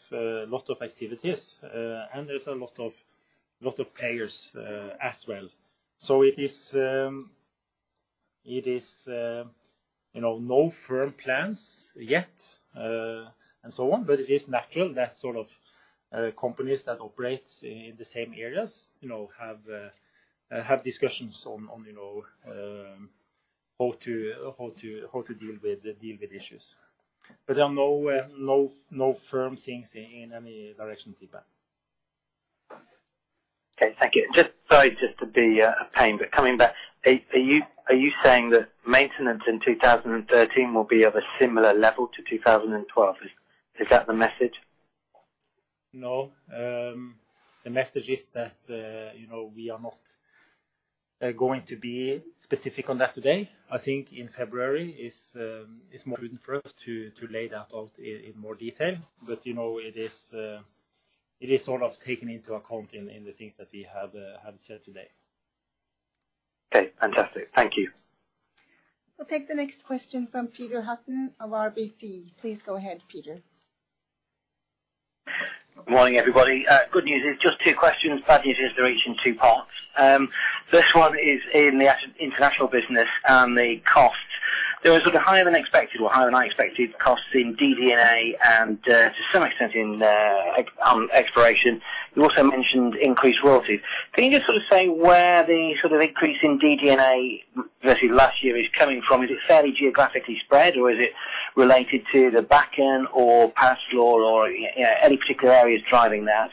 S2: activities. There's a lot of players as well. It is, you know, no firm plans yet, and so on, but it is natural that sort of companies that operate in the same areas, you know, have discussions on, you know, how to deal with issues. There are no firm things in any direction feedback.
S11: Okay. Thank you. Sorry, just to be a pain, but coming back, are you saying that maintenance in 2013 will be of a similar level to 2012? Is that the message?
S2: No. The message is that, you know, we are not going to be specific on that today. I think in February is more prudent for us to lay that out in more detail. You know, it is sort of taken into account in the things that we have said today.
S11: Okay, fantastic. Thank you.
S3: We'll take the next question from Peter Hutton of RBC. Please go ahead, Peter.
S12: Good morning, everybody. Good news is just two questions. Bad news is they're each in two parts. First one is in the international business and the cost. There was sort of higher than expected or higher than I expected costs in DD&A and, to some extent in, exploration. You also mentioned increased royalties. Can you just sort of say where the sort of increase in DD&A versus last year is coming from? Is it fairly geographically spread, or is it related to the Bakken or Pazflor or, you know, any particular areas driving that?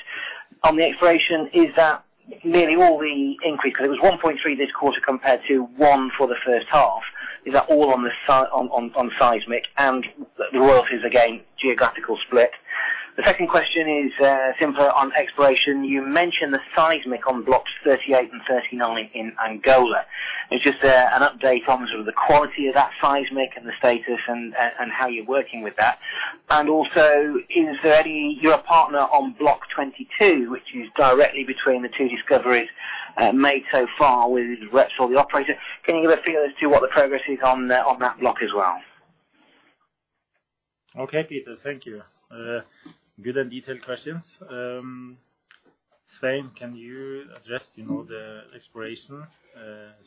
S12: On the exploration, is that nearly all the increase, because it was 1.3 this quarter compared to 1 for the first half. Is that all on the seismic and the royalties, again, geographical split? The second question is simpler on exploration. You mentioned the seismic on blocks 38 and 39 in Angola. It's just an update on sort of the quality of that seismic and the status and how you're working with that. Also, you're a partner on block 22, which is directly between the two discoveries made so far with Repsol, the operator. Can you give a feel as to what the progress is on that block as well?
S2: Okay, Peter. Thank you. Good and detailed questions. Svein, can you address, you know, the exploration,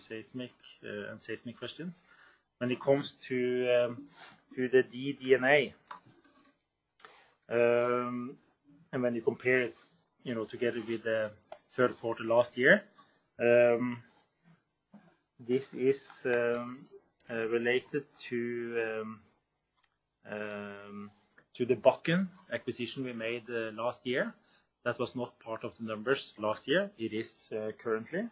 S2: seismic, and seismic questions? When it comes to the DD&A, and when you compare it, you know, together with the Q3 last year, this is related to the Bakken acquisition we made last year. That was not part of the numbers last year. It is currently.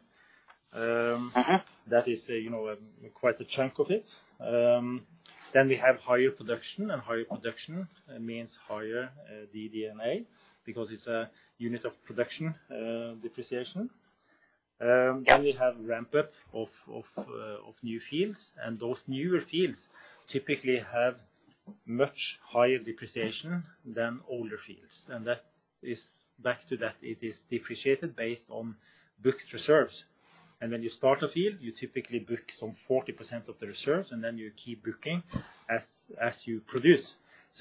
S12: Mm-hmm
S2: that is, you know, quite a chunk of it. Then we have higher production, it means higher DD&A because it's a unit of production depreciation.
S12: Yeah
S2: Then we have ramp-up of new fields, and those newer fields typically have much higher depreciation than older fields. That is back to that, it is depreciated based on booked reserves. When you start a field, you typically book some 40% of the reserves, and then you keep booking as you produce.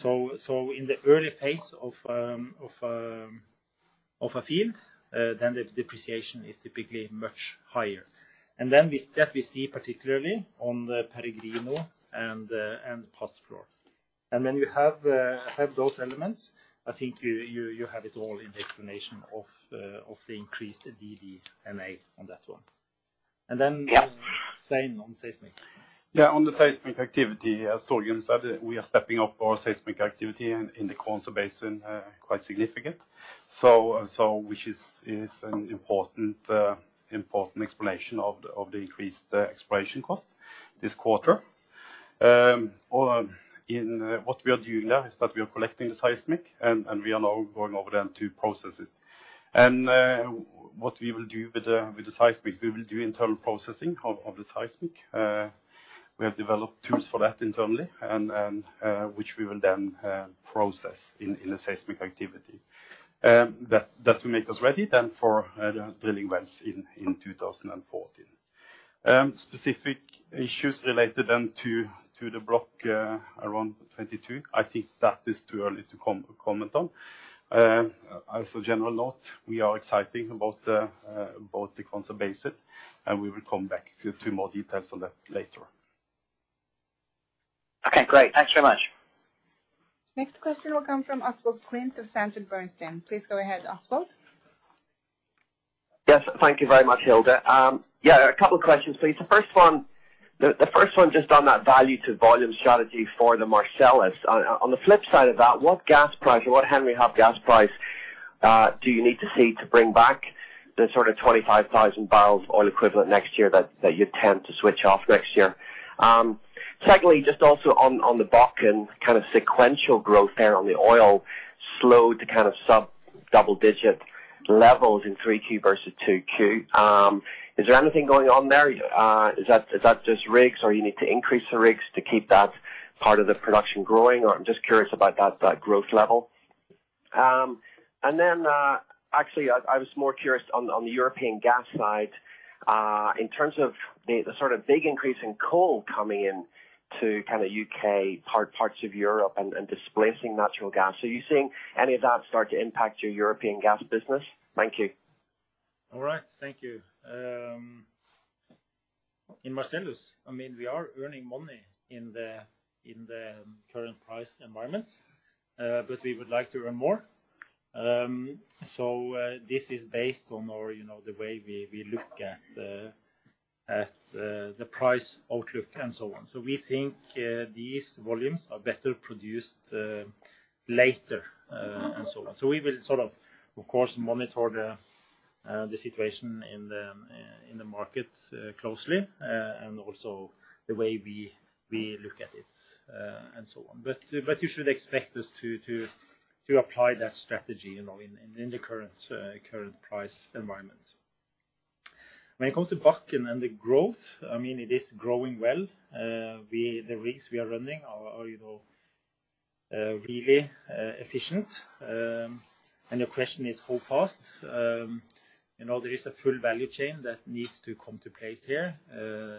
S2: In the early phase of a field, the depreciation is typically much higher. We see that particularly on the Peregrino and the Pazflor. When you have those elements, I think you have it all in the explanation of the increased DD&A on that one.
S12: Yeah
S2: Svein on seismic.
S8: Yeah, on the seismic activity, as Torgrim said, we are stepping up our seismic activity in the Kwanza Basin quite significant. Which is an important explanation of the increased exploration cost this quarter. What we are doing now is that we are collecting the seismic, and we are now going over them to process it. What we will do with the seismic, we will do internal processing of the seismic.
S2: We have developed tools for that internally, which we will then process in the seismic activity. That will make us ready then for drilling wells in 2014. Specific issues related then to the block around 22. I think that is too early to comment on. As for general lot, we are exciting about the concept basic, and we will come back to more details on that later.
S12: Okay, great. Thanks so much.
S3: Next question will come from Oswald Clint of Sanford C. Bernstein. Please go ahead, Oswald.
S13: Yes, thank you very much, Hilde. Yeah, a couple of questions, please. The first one just on that value to volume strategy for the Marcellus. On the flip side of that, what gas price or what Henry Hub gas price do you need to see to bring back the sort of 25,000 barrels oil equivalent next year that you tend to switch off next year? Secondly, just also on the Bakken kind of sequential growth there on the oil slowed to kind of sub double-digit levels in 3Q versus 2Q. Is there anything going on there? Is that just rigs, or you need to increase the rigs to keep that part of the production growing, or I'm just curious about that growth level. Actually, I was more curious on the European gas side, in terms of the sort of big increase in coal coming in to kinda U.K. parts of Europe and displacing natural gas. Are you seeing any of that start to impact your European gas business? Thank you.
S2: All right. Thank you. In Marcellus, I mean, we are earning money in the current price environment, but we would like to earn more. This is based on our, you know, the way we look at the price outlook and so on. We think these volumes are better produced later and so on. We will sort of course, monitor the situation in the markets closely, and also the way we look at it and so on. You should expect us to apply that strategy, you know, in the current price environment. When it comes to Bakken and the growth, I mean, it is growing well. The risks we are running are, you know, really efficient. The question is how fast. You know, there is a full value chain that needs to come into place here,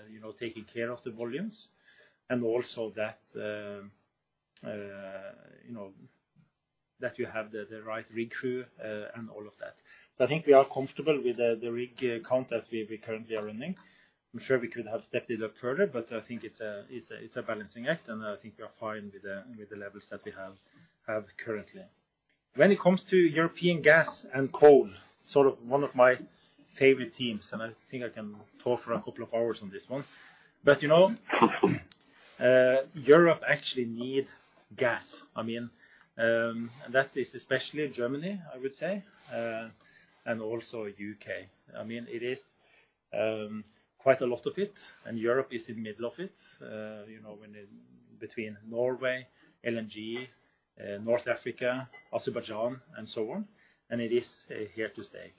S2: you know, taking care of the volumes, and also that, you know, that you have the right rig crew, and all of that. I think we are comfortable with the rig count that we currently are running. I'm sure we could have stepped it up further, but I think it's a balancing act, and I think we are fine with the levels that we have currently. When it comes to European gas and coal, sort of one of my favorite themes, and I think I can talk for a couple of hours on this one, but, you know, Europe actually need gas. I mean, that is especially Germany, I would say, and also U.K. I mean, it is quite a lot of it, and Europe is in middle of it, you know, when between Norway, LNG, North Africa, Azerbaijan, and so on. It is here to stay.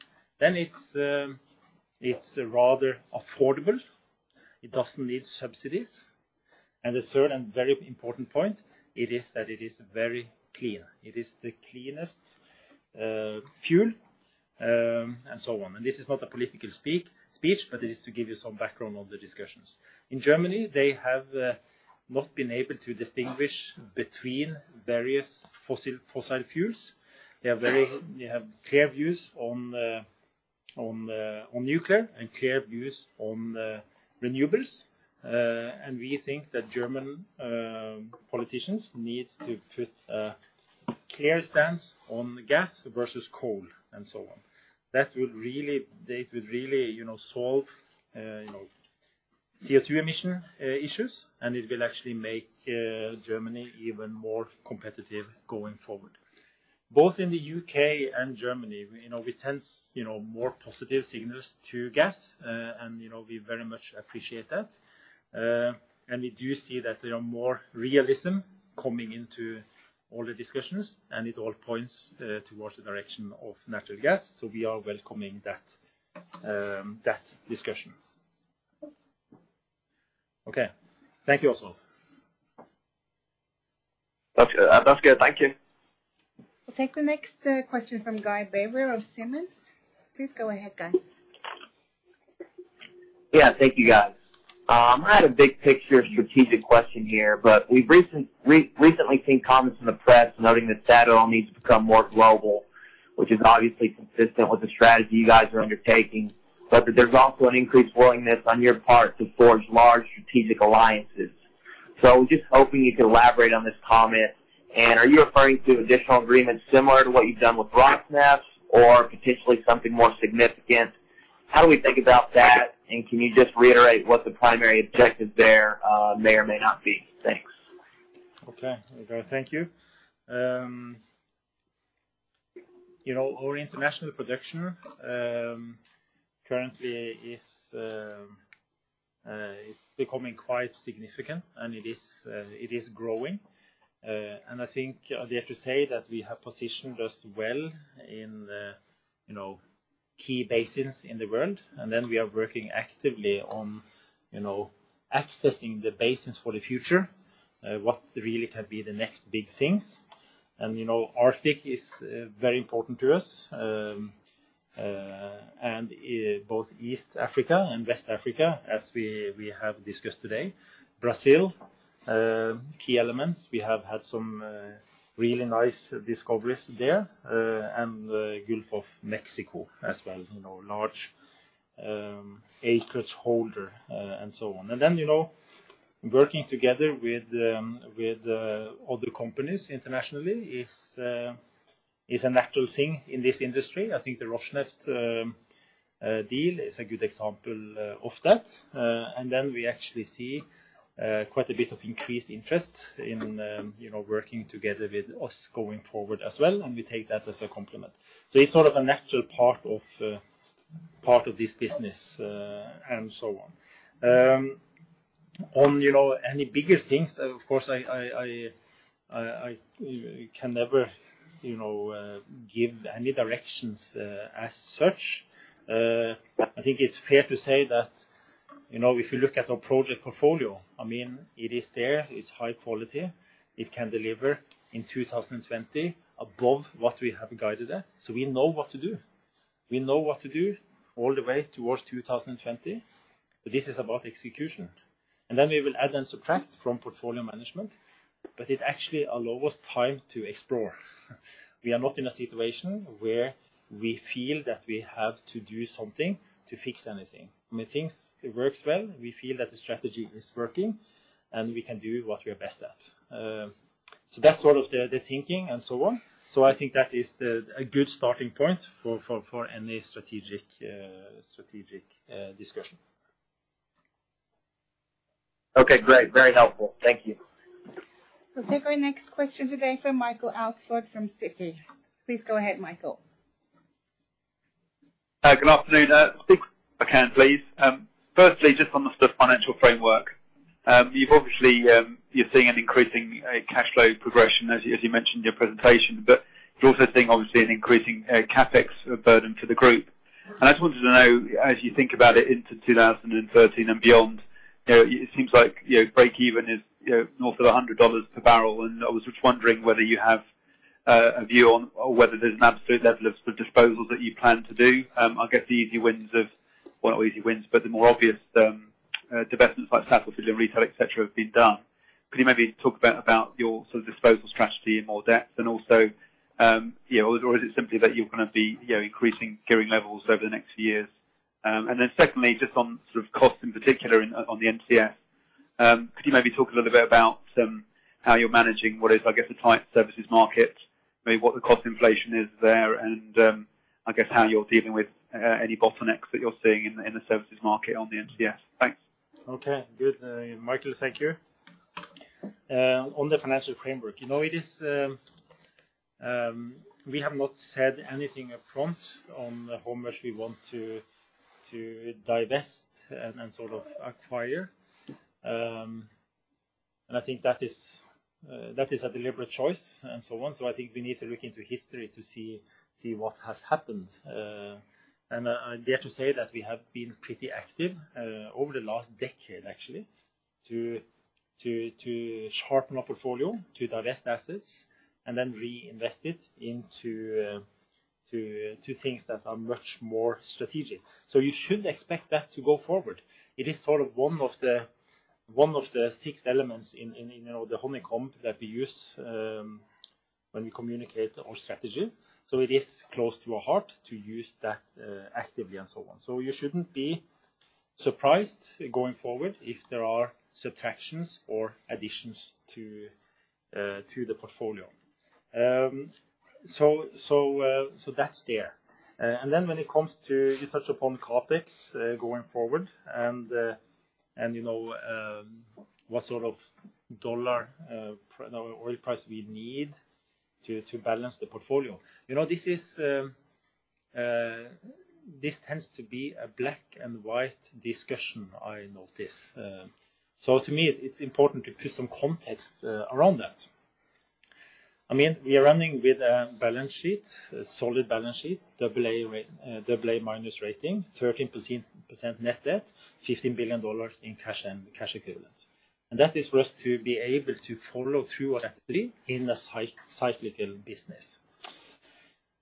S2: It's rather affordable. It doesn't need subsidies. The third and very important point it is that it is very clean. It is the cleanest fuel, and so on. This is not a political speech, but it is to give you some background on the discussions. In Germany, they have not been able to distinguish between various fossil fuels. They have clear views on the nuclear and clear views on the renewables. We think that German politicians need to put a clear stance on gas versus coal and so on. They could really, you know, solve, you know, CO2 emission issues, and it will actually make Germany even more competitive going forward. Both in the U.K. and Germany, we, you know, we sense, you know, more positive signals to gas, and, you know, we very much appreciate that. We do see that there is more realism coming into all the discussions, and it all points towards the direction of natural gas. We are welcoming that discussion. Okay. Thank you, Oswald Clint.
S13: That's good. Thank you.
S3: We'll take the next question from Guy Baber of Simmons. Please go ahead, Guy.
S14: Yeah. Thank you, guys. I had a big picture strategic question here, but we've recently seen comments from the press noting that Statoil needs to become more global, which is obviously consistent with the strategy you guys are undertaking, but that there's also an increased willingness on your part to forge large strategic alliances. Just hoping you could elaborate on this comment. Are you referring to additional agreements similar to what you've done with Rosneft or potentially something more significant? How do we think about that? Can you just reiterate what the primary objective there may or may not be? Thanks.
S2: Okay. Thank you. You know, our international production currently is becoming quite significant, and it is growing. I think I dare to say that we have positioned us well in, you know, key basins in the world, and then we are working actively on, you know, accessing the basins for the future, what really can be the next big things. You know, Arctic is very important to us. Both East Africa and West Africa, as we have discussed today. Brazil, key elements. We have had some really nice discoveries there. The Gulf of Mexico as well, you know, large acreage holder, and so on. You know, working together with other companies internationally is a natural thing in this industry. I think the Rosneft deal is a good example of that. We actually see quite a bit of increased interest in you know, working together with us going forward as well, and we take that as a compliment. It's sort of a natural part of this business, and so on. On you know, any bigger things, of course, I can never you know, give any directions as such. I think it's fair to say that you know, if you look at our project portfolio, I mean, it is there, it's high quality, it can deliver in 2020 above what we have guided at. We know what to do. We know what to do all the way towards 2020. This is about execution. Then we will add and subtract from portfolio management, but it actually allows us time to explore. We are not in a situation where we feel that we have to do something to fix anything. I mean, things, it works well. We feel that the strategy is working, and we can do what we are best at. That's sort of the thinking and so on. I think that is a good starting point for any strategic discussion.
S14: Okay, great. Very helpful. Thank you.
S1: We'll take our next question today from Michael Alsford from Citi. Please go ahead, Michael.
S15: Hi, good afternoon. If I can, please. Firstly, just on the sort of financial framework, you've obviously, you're seeing an increasing cash flow progression as you mentioned in your presentation, but you're also seeing obviously an increasing CapEx burden to the group. I just wanted to know, as you think about it into 2013 and beyond, you know, it seems like, you know, break even is, you know, north of $100 per barrel. I was just wondering whether you have a view on or whether there's an absolute level of sort of disposals that you plan to do. The more obvious divestments like Gassled, Statoil Fuel & Retail, et cetera, have been done. Could you maybe talk about your sort of disposal strategy in more depth? Or is it simply that you're gonna be, you know, increasing gearing levels over the next years? Secondly, just on sort of cost in particular on the NCS, could you maybe talk a little bit about how you're managing what is, I guess, a tight services market, maybe what the cost inflation is there and, I guess, how you're dealing with any bottlenecks that you're seeing in the services market on the NCS? Thanks.
S2: Okay, good. Michael, thank you. On the financial framework, you know, it is we have not said anything upfront on how much we want to divest and sort of acquire. I think that is a deliberate choice and so on. I think we need to look into history to see what has happened. I dare to say that we have been pretty active over the last decade, actually, to sharpen our portfolio, to divest assets, and then reinvest it into things that are much more strategic. You should expect that to go forward. It is sort of one of the six elements in you know the honeycomb that we use when we communicate our strategy. It is close to our heart to use that actively and so on. You shouldn't be surprised going forward if there are subtractions or additions to the portfolio. That's there. When it comes to you touch upon CapEx going forward and what sort of dollar oil price we need to balance the portfolio. You know, this is a black and white discussion, I notice. To me, it's important to put some context around that. I mean, we are running with a balance sheet, a solid balance sheet, double A minus rating, 13% net debt, $15 billion in cash and cash equivalents. That is for us to be able to follow through our activity in a cyclical business.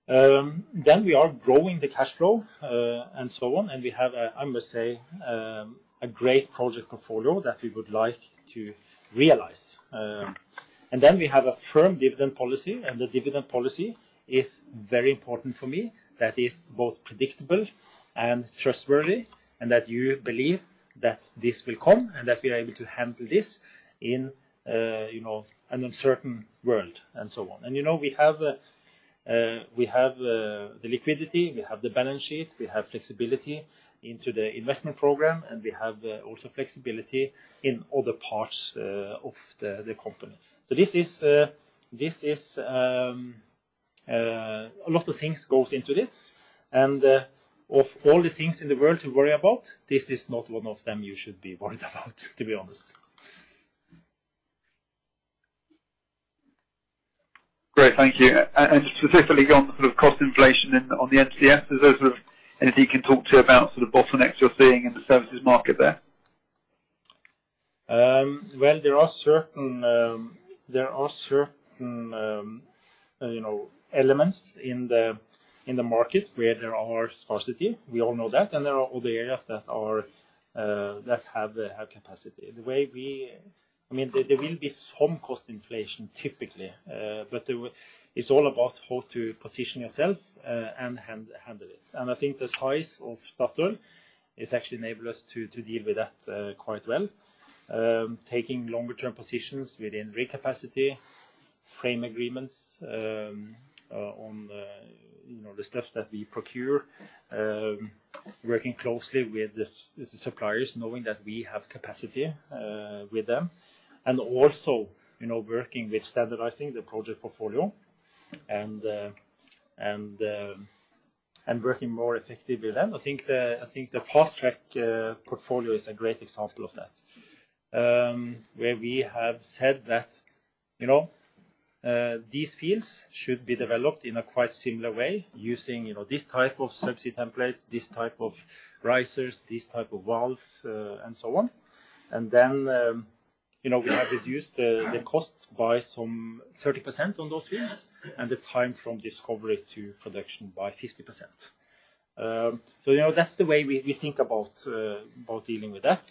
S2: Then we are growing the cash flow, and so on. We have a, I must say, a great project portfolio that we would like to realize. Then we have a firm dividend policy, and the dividend policy is very important for me that is both predictable and trustworthy, and that you believe that this will come, and that we are able to handle this in, you know, an uncertain world and so on. You know, we have the liquidity, we have the balance sheet, we have flexibility into the investment program, and we have also flexibility in other parts of the company. This is a lot of things goes into this. Of all the things in the world to worry about, this is not one of them you should be worried about, to be honest.
S15: Great. Thank you. Specifically on the sort of cost inflation in on the NCS, is there sort of anything you can talk about sort of bottlenecks you're seeing in the services market there?
S2: Well, there are certain, you know, elements in the market where there are scarcity. We all know that. There are other areas that have capacity. The way we. I mean, there will be some cost inflation typically. It's all about how to position yourself and handle it. I think the size of Statoil has actually enabled us to deal with that quite well. Taking longer-term positions within rig capacity, frame agreements, on, you know, the steps that we procure. Working closely with the suppliers, knowing that we have capacity with them. Also, you know, working with standardizing the project portfolio and working more effectively with them. I think the fast-track portfolio is a great example of that. Where we have said that, you know, these fields should be developed in a quite similar way using, you know, this type of subsea templates, this type of risers, this type of valves, and so on. You know, we have reduced the cost by some 30% on those fields and the time from discovery to production by 50%. You know, that's the way we think about dealing with that.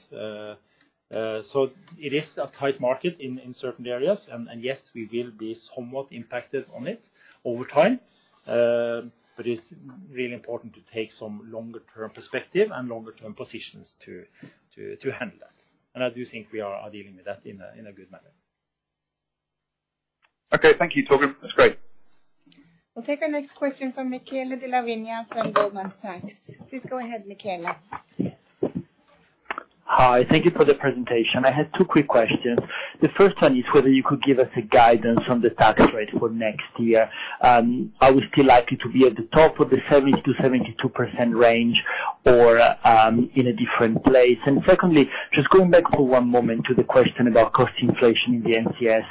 S2: It is a tight market in certain areas, and yes, we will be somewhat impacted on it over time. It's really important to take some longer-term perspective and longer-term positions to handle that. I do think we are dealing with that in a good manner.
S15: Okay. Thank you, Torgrim. That's great.
S3: We'll take our next question from Michele Della Vigna from Goldman Sachs. Please go ahead, Michele.
S16: Hi. Thank you for the presentation. I had two quick questions. The first one is whether you could give us a guidance on the tax rate for next year. Are we still likely to be at the top of the 70%-72% range or in a different place? And secondly, just going back for one moment to the question about cost inflation in the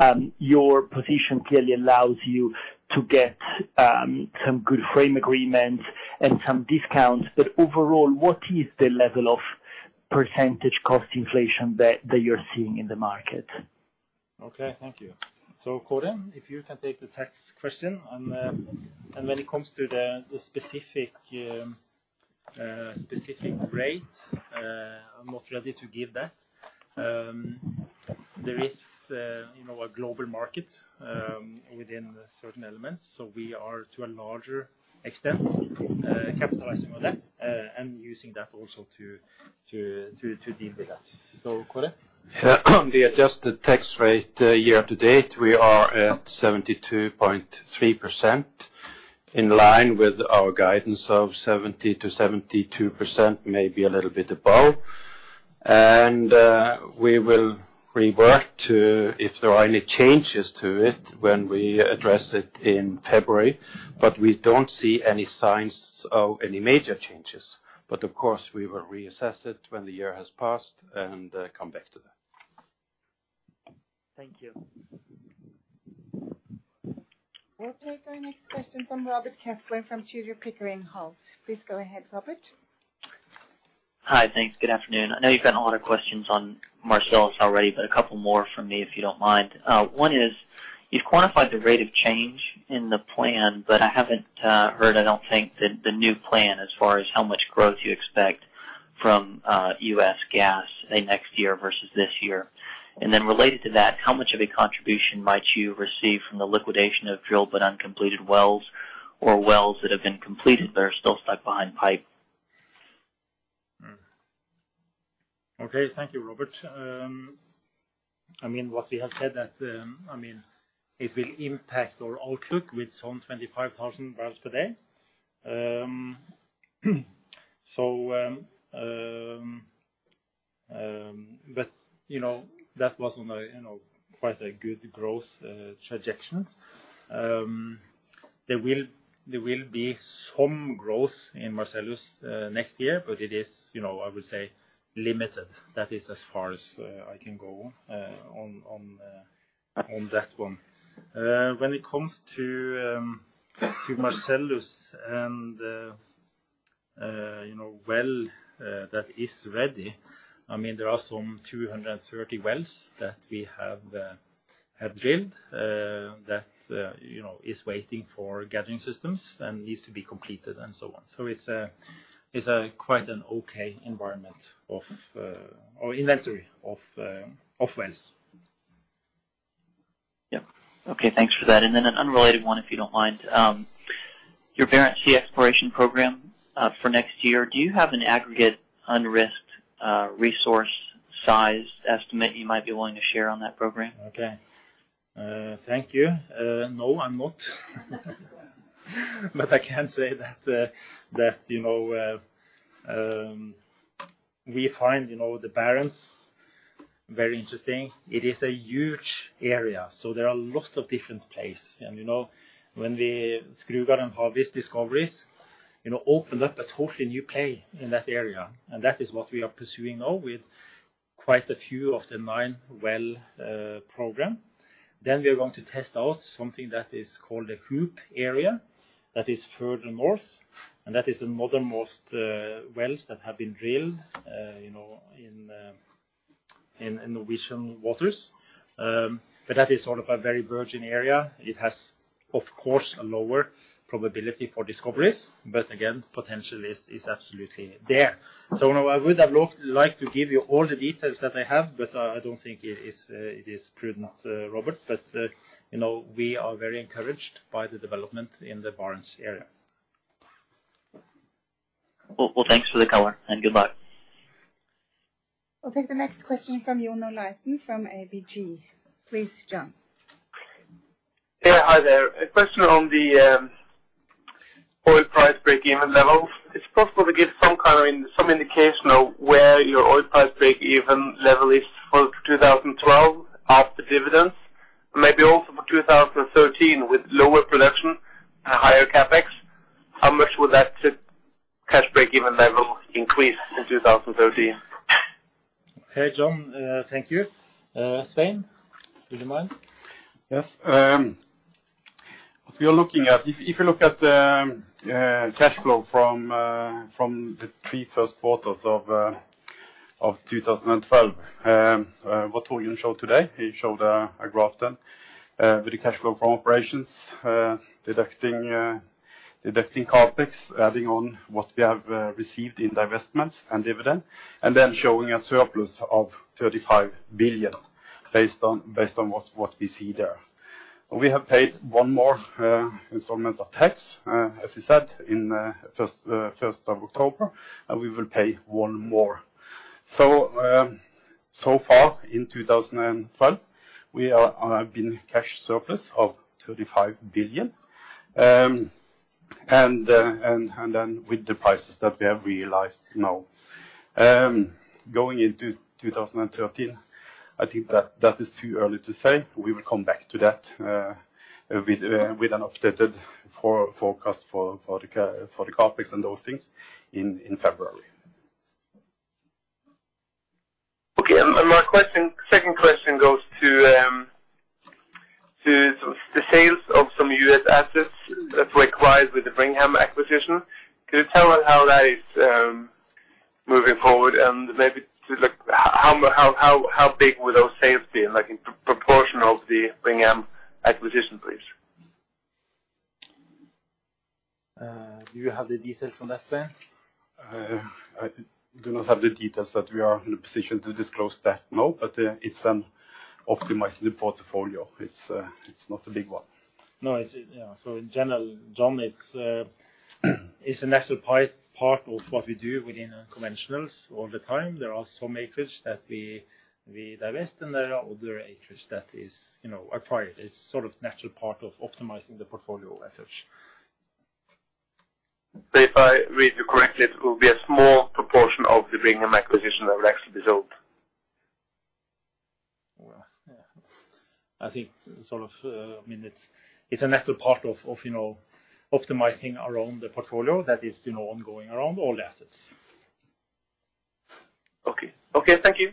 S16: NCS. Your position clearly allows you to get some good frame agreements and some discounts. Overall, what is the level of percentage cost inflation that you're seeing in the market?
S2: Okay, thank you. Kåre, if you can take the tax question. When it comes to the specific rate, I'm not ready to give that. There is, you know, a global market within certain elements, so we are to a larger extent capitalizing on that and using that also to deal with that. Kåre?
S17: Yeah. The adjusted tax rate year to date, we are at 72.3%, in line with our guidance of 70%-72%, maybe a little bit above. We will revert to if there are any changes to it when we address it in February, but we don't see any signs of any major changes. Of course, we will reassess it when the year has passed and come back to that.
S16: Thank you.
S3: We'll take our next question from Robert Kessler from Tudor, Pickering, Holt & Co. Please go ahead, Robert.
S18: Hi. Thanks. Good afternoon. I know you've gotten a lot of questions on Marcellus already, but a couple more from me if you don't mind. One is, you've quantified the rate of change in the plan, but I haven't heard, I don't think, the new plan as far as how much growth you expect from U.S. Gas next year versus this year. Related to that, how much of a contribution might you receive from the liquidation of drilled but uncompleted wells or wells that have been completed that are still stuck behind pipe?
S2: Okay. Thank you, Robert. I mean, what we have said that it will impact our outlook with some 25,000 barrels per day. You know, that was on a you know, quite a good growth trajectories. There will be some growth in Marcellus next year, but it is you know, I would say limited. That is as far as I can go on that one. When it comes to Marcellus and you know, well, that is ready. I mean, there are some 230 wells that we have drilled that you know is waiting for gathering systems and needs to be completed and so on. It's a quite an okay environment or inventory of wells.
S18: Yeah. Okay, thanks for that. An unrelated one, if you don't mind. Your Barents Sea exploration program for next year, do you have an aggregate unrisked resource size estimate you might be willing to share on that program?
S2: Okay. Thank you. No, I'm not. I can say that, you know, we find, you know, the Barents very interesting. It is a huge area, so there are lots of different places. You know, when we Skugard and Havis discoveries you know opened up a totally new play in that area, and that is what we are pursuing now with quite a few of the nine-well program. We are going to test out something that is called the Hoop area, that is further north, and that is the northernmost wells that have been drilled, you know, in Norwegian waters. That is sort of a very virgin area. It has, of course, a lower probability for discoveries, but again, potential is absolutely there. Now, I would have liked to give you all the details that I have, but I don't think it is prudent, Robert. You know, we are very encouraged by the development in the Barents area.
S18: Well, well, thanks for the color, and goodbye.
S3: I'll take the next question from John Olaisen from ABG. Please, John.
S19: Yeah, hi there. A question on the oil price break-even level. It's possible to give some kind of indication of where your oil price break-even level is for 2012 after dividends. Maybe also for 2013 with lower production and higher CapEx, how much will that cash break-even level increase in 2013?
S2: Okay, John, thank you. Svein, do you mind? Yes.
S8: If you look at the cash flow from the threeQ1s of 2012, what Torgrim showed today, he showed a graph then. With the cash flow from operations, deducting CapEx, adding on what we have received in divestments and dividend, and then showing a surplus of 35 billion based on what we see there. We have paid one more installment of tax, as we said in first of October, and we will pay one more. So far in 2012, we are on a big cash surplus of 35 billion. And then with the prices that we have realized now. Going into 2013, I think that is too early to say. We will come back to that with an updated forecast for the CapEx and those things in February.
S19: Okay. My second question goes to the sales of some U.S. assets that's required with the Brigham acquisition. Can you tell us how that is moving forward and maybe how big will those sales be, like in proportion of the Brigham acquisition, please?
S2: Do you have the details on that, Svein?
S8: I do not have the details that we are in a position to disclose, no. It's optimizing the portfolio. It's not a big one.
S2: No, it's. Yeah. In general, John, it's a natural part of what we do within conventionals all the time. There are some acreage that we divest and there are other acreage that is, you know, acquired. It's sort of natural part of optimizing the portfolio as such.
S19: If I read you correctly, it will be a small proportion of the Brigham acquisition that will actually be sold.
S2: Well, yeah. I think sort of, I mean, it's a natural part of, you know, optimizing around the portfolio that is, you know, ongoing around all assets.
S19: Okay. Okay, thank you.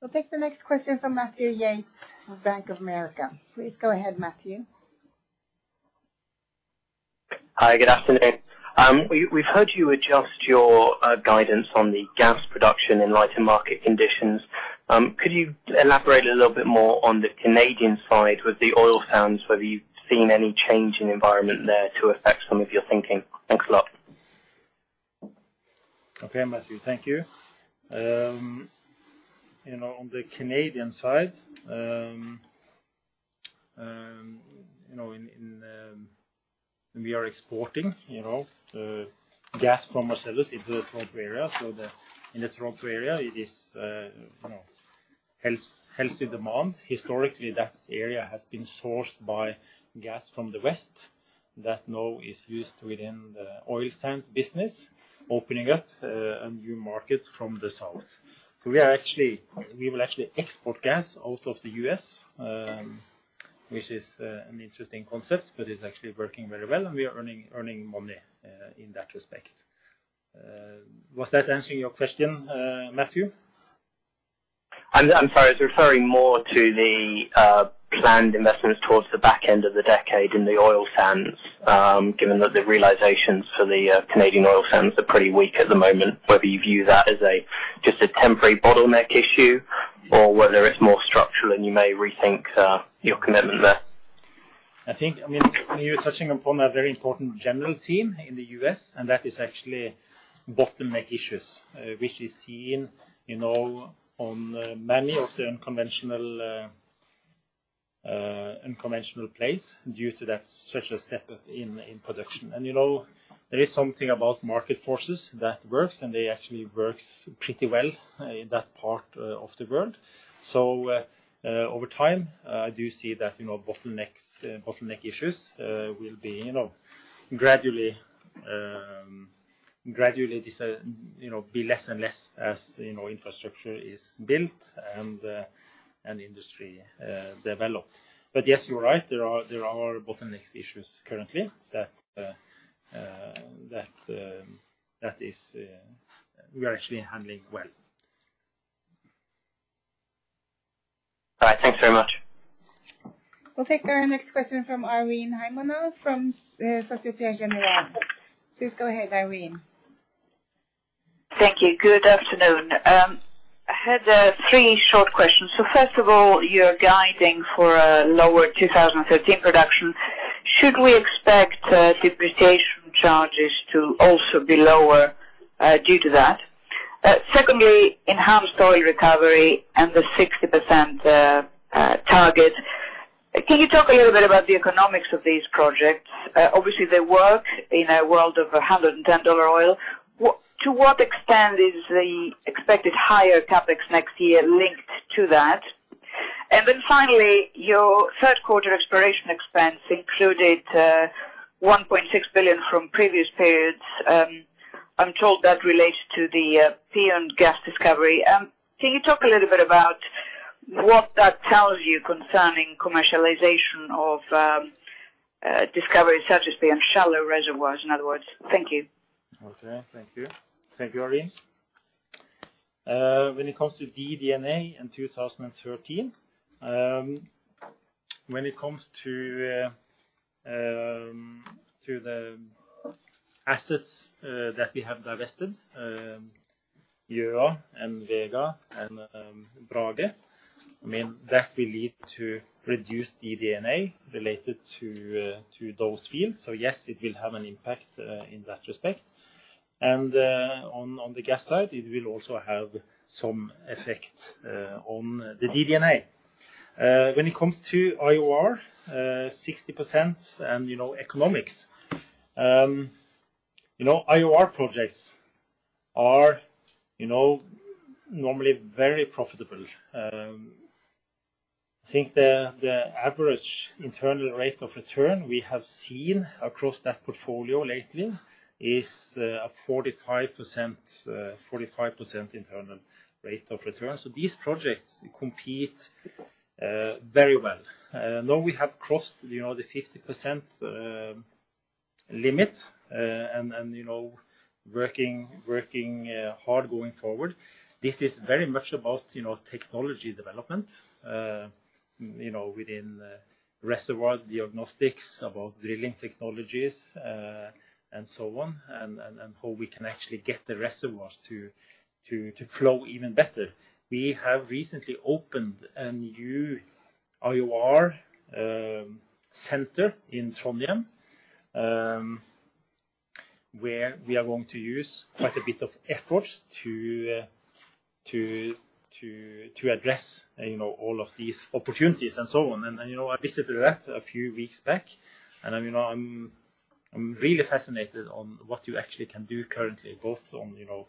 S3: We'll take the next question from Matthew Yates of Bank of America. Please go ahead, Matthew.
S20: Hi, good afternoon. We've heard you adjust your guidance on the gas production in light of market conditions. Could you elaborate a little bit more on the Canadian side with the oil sands, whether you've seen any change in environment there to affect some of your thinking? Thanks a lot.
S2: Okay, Matthew. Thank you. On the Canadian side, we are exporting gas from ourselves into the Toronto area. In the Toronto area, it is healthy demand. Historically, that area has been sourced by gas from the west that now is used within the oil sands business, opening up a new market from the south. We will actually export gas out of the U.S., which is an interesting concept, but it's actually working very well and we are earning money in that respect. Was that answering your question, Matthew?
S20: I'm sorry. I was referring more to the planned investments towards the back end of the decade in the oil sands, given that the realizations for the Canadian oil sands are pretty weak at the moment. Whether you view that as just a temporary bottleneck issue or whether it's more structural and you may rethink your commitment there?
S2: I think, I mean, you're touching upon a very important general theme in the U.S., and that is actually bottleneck issues, which is seen, you know, on many of the unconventional plays due to that structural step in production. You know, there is something about market forces that works, and they actually works pretty well in that part of the world. Over time, I do see that, you know, bottleneck issues will be, you know, gradually be less and less as, you know, infrastructure is built and industry develops. Yes, you're right, there are bottleneck issues currently that is we are actually handling well.
S20: All right, thanks very much.
S1: We'll take our next question from Irene Himona from Société Générale. Please go ahead, Irene.
S21: Thank you. Good afternoon. I had three short questions. First of all, you're guiding for a lower 2013 production. Should we expect depreciation charges to also be lower due to that? Second, enhanced oil recovery and the 60% target, can you talk a little bit about the economics of these projects? Obviously they work in a world of $110 oil. To what extent is the expected higher CapEx next year linked to that? Then finally, your Q3 exploration expense included $1.6 billion from previous periods. I'm told that relates to the Peon gas discovery. Can you talk a little bit about what that tells you concerning commercialization of discovery such as Peon shallow reservoirs, in other words? Thank you.
S2: Okay, thank you. Thank you, Irene. When it comes to DD&A in 2013, when it comes to the assets that we have divested, Yoa and Vega and Brage, I mean, that will lead to reduced DD&A related to those fields. Yes, it will have an impact in that respect. On the gas side, it will also have some effect on the DD&A. When it comes to IOR, 60% and, you know, economics, you know, IOR projects are normally very profitable. I think the average internal rate of return we have seen across that portfolio lately is a 45% internal rate of return. These projects compete very well. Now we have crossed, you know, the 50% limit, and you know, working hard going forward. This is very much about, you know, technology development, you know, within reservoir diagnostics, about drilling technologies, and so on, and how we can actually get the reservoirs to flow even better. We have recently opened a new IOR center in Trondheim, where we are going to use quite a bit of efforts to address, you know, all of these opportunities and so on. You know, I visited that a few weeks back, and I'm, you know, really fascinated on what you actually can do currently, both on, you know,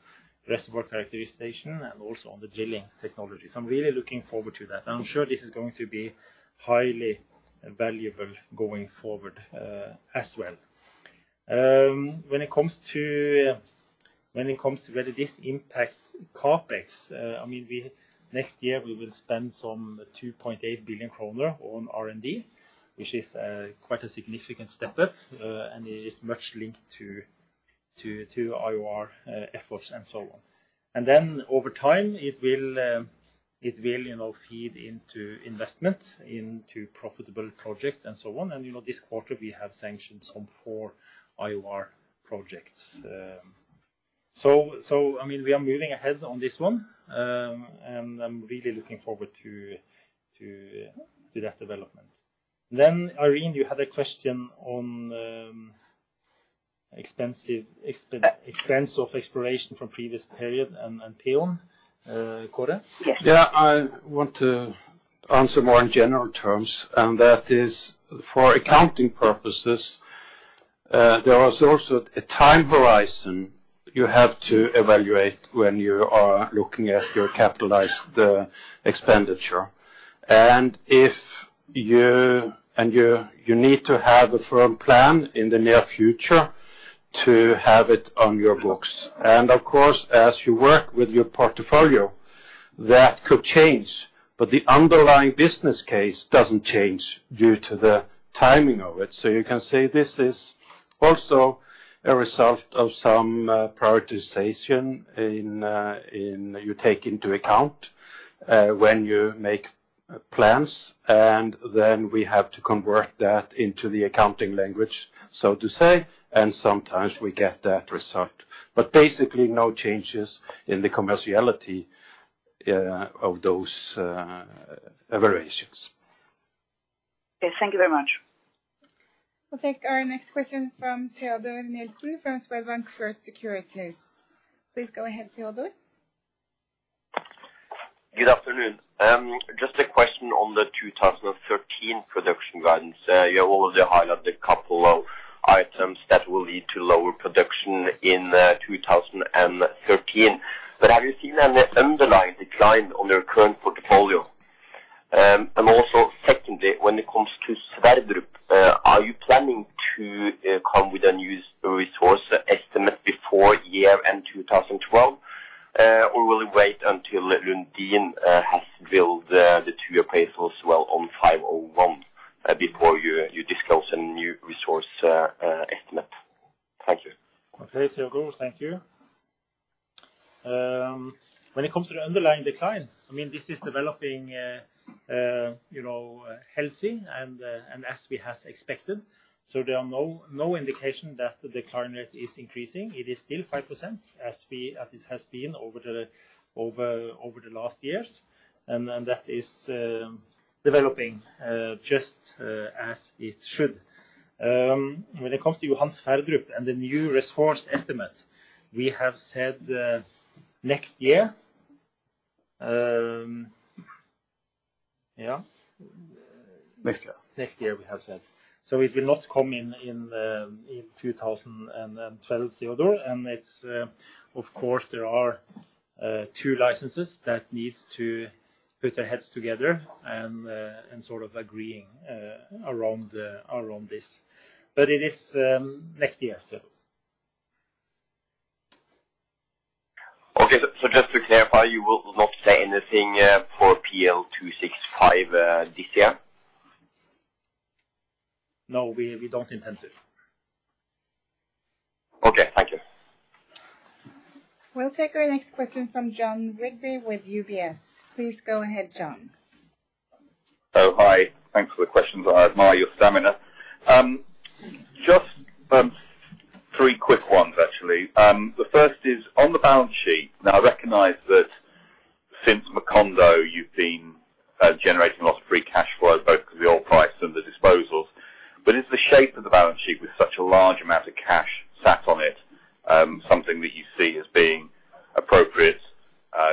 S2: reservoir characterization and also on the drilling technologies. I'm really looking forward to that, and I'm sure this is going to be highly valuable going forward, as well. When it comes to whether this impacts CapEx, I mean, next year we will spend some 2.8 billion kroner on R&D, which is quite a significant step-up, and is much linked to IOR efforts and so on. Over time, it will, you know, feed into investment, into profitable projects and so on. You know, this quarter we have sanctions on four IOR projects. I mean, we are moving ahead on this one, and I'm really looking forward to that development. Irene, you had a question on expense of exploration from previous period and Peon. Kåre?
S21: Yes.
S2: Yeah. I want to answer more in general terms, and that is for accounting purposes, there is also a time horizon you have to evaluate when you are looking at your capital expenditure. You need to have a firm plan in the near future to have it on your books. Of course, as you work with your portfolio, that could change. The underlying business case doesn't change due to the timing of it. You can say this is also a result of some prioritization in what you take into account, when you make plans, and then we have to convert that into the accounting language, so to say, and sometimes we get that result. Basically no changes in the commerciality of those variations.
S21: Yes, thank you very much.
S1: We'll take our next question from Teodor Sveen-Nilsen from Swedbank First Securities. Please go ahead, Teodor.
S22: Good afternoon. Just a question on the 2013 production guidance. You already highlighted a couple of items that will lead to lower production in 2013. Have you seen an underlying decline on your current portfolio? Also secondly, when it comes to Sverdrup, are you planning to come with a new resource estimate before year-end 2012? Or will it wait until Lundin has built the two appraisal wells as well on 501, before you disclose a new resource estimate? Thank you.
S2: Okay, Teodor Sveen-Nilsen. Thank you. When it comes to the underlying decline, I mean, this is developing, you know, healthy and as we have expected. There are no indication that the decline rate is increasing. It is still 5% as it has been over the last years. That is developing just as it should. When it comes to Johan Sverdrup and the new resource estimate, we have said next year. Yeah.
S22: Next year.
S2: Next year, we have said. It will not come in 2012, Teodor. It's of course there are two licenses that needs to put their heads together and sort of agreeing around this. It is next year, Teodor.
S22: Okay. Just to clarify, you will not say anything for PL 265 this year?
S2: No, we don't intend to.
S22: Okay, thank you.
S3: We'll take our next question from Jon Rigby with UBS. Please go ahead, Jon.
S23: Oh, hi. Thanks for the questions. I admire your stamina. Just three quick ones, actually. The first is on the balance sheet. Now, I recognize that since Macondo, you've been generating lots of free cash flow, both because of the oil price and the disposals. Is the shape of the balance sheet with such a large amount of cash sat on it something that you see as being appropriate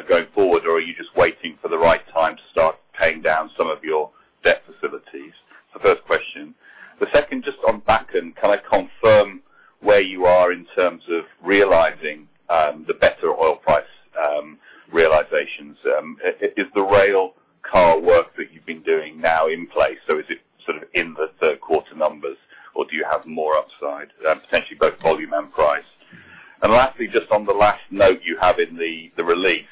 S23: going forward? Or are you just waiting for the right time to start paying down some of your debt facilities? The first question. The second, just on Bakken, can I confirm where you are in terms of realizing the better oil price realizations? Is the rail car work that you've been doing now in place? Is it sort of in the Q3 numbers, or do you have more upside, potentially both volume and price? Lastly, just on the last note you have in the release,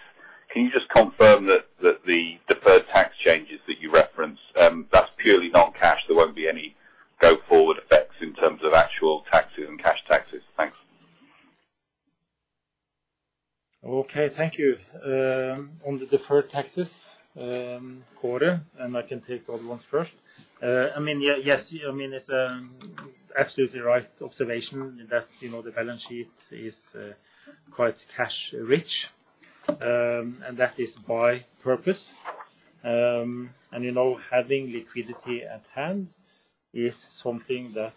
S23: can you just confirm that the deferred tax changes that you referenced, that's purely non-cash. There won't be any go forward effects in terms of actual taxes and cash taxes. Thanks.
S2: Okay, thank you. On the deferred taxes, quarter, and I can take other ones first. I mean, yes, it's absolutely right observation that, you know, the balance sheet is quite cash-rich, and that is by purpose. You know, having liquidity at hand is something that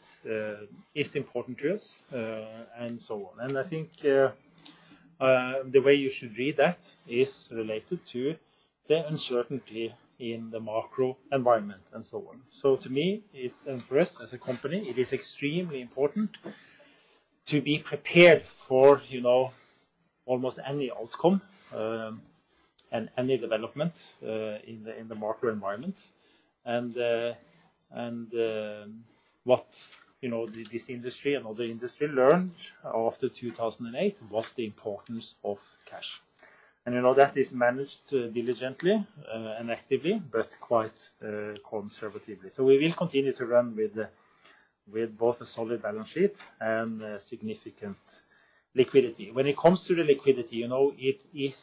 S2: is important to us, and so on. I think the way you should read that is related to the uncertainty in the macro environment and so on. To me, it's, and for us as a company, it is extremely important to be prepared for, you know, almost any outcome, and any development in the macro environment. What, you know, this industry and all the industry learned after 2008 was the importance of cash. You know that is managed diligently and actively, but quite conservatively. We will continue to run with both a solid balance sheet and a significant liquidity. When it comes to the liquidity, you know, it is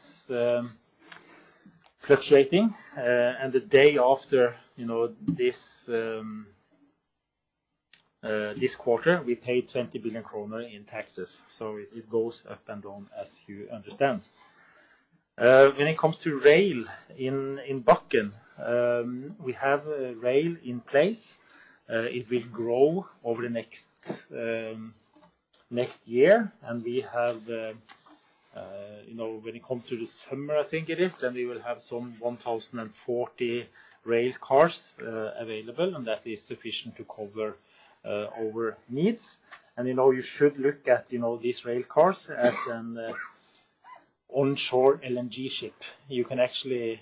S2: fluctuating, and the day after, you know, this quarter, we paid 20 billion kroner in taxes. It goes up and down, as you understand. When it comes to rail in Bakken, we have a rail in place. It will grow over the next year. We have, you know, when it comes to the summer, I think it is then we will have some 1,040 rail cars available, and that is sufficient to cover our needs. You know, you should look at, you know, these rail cars as an onshore LNG ship. You can actually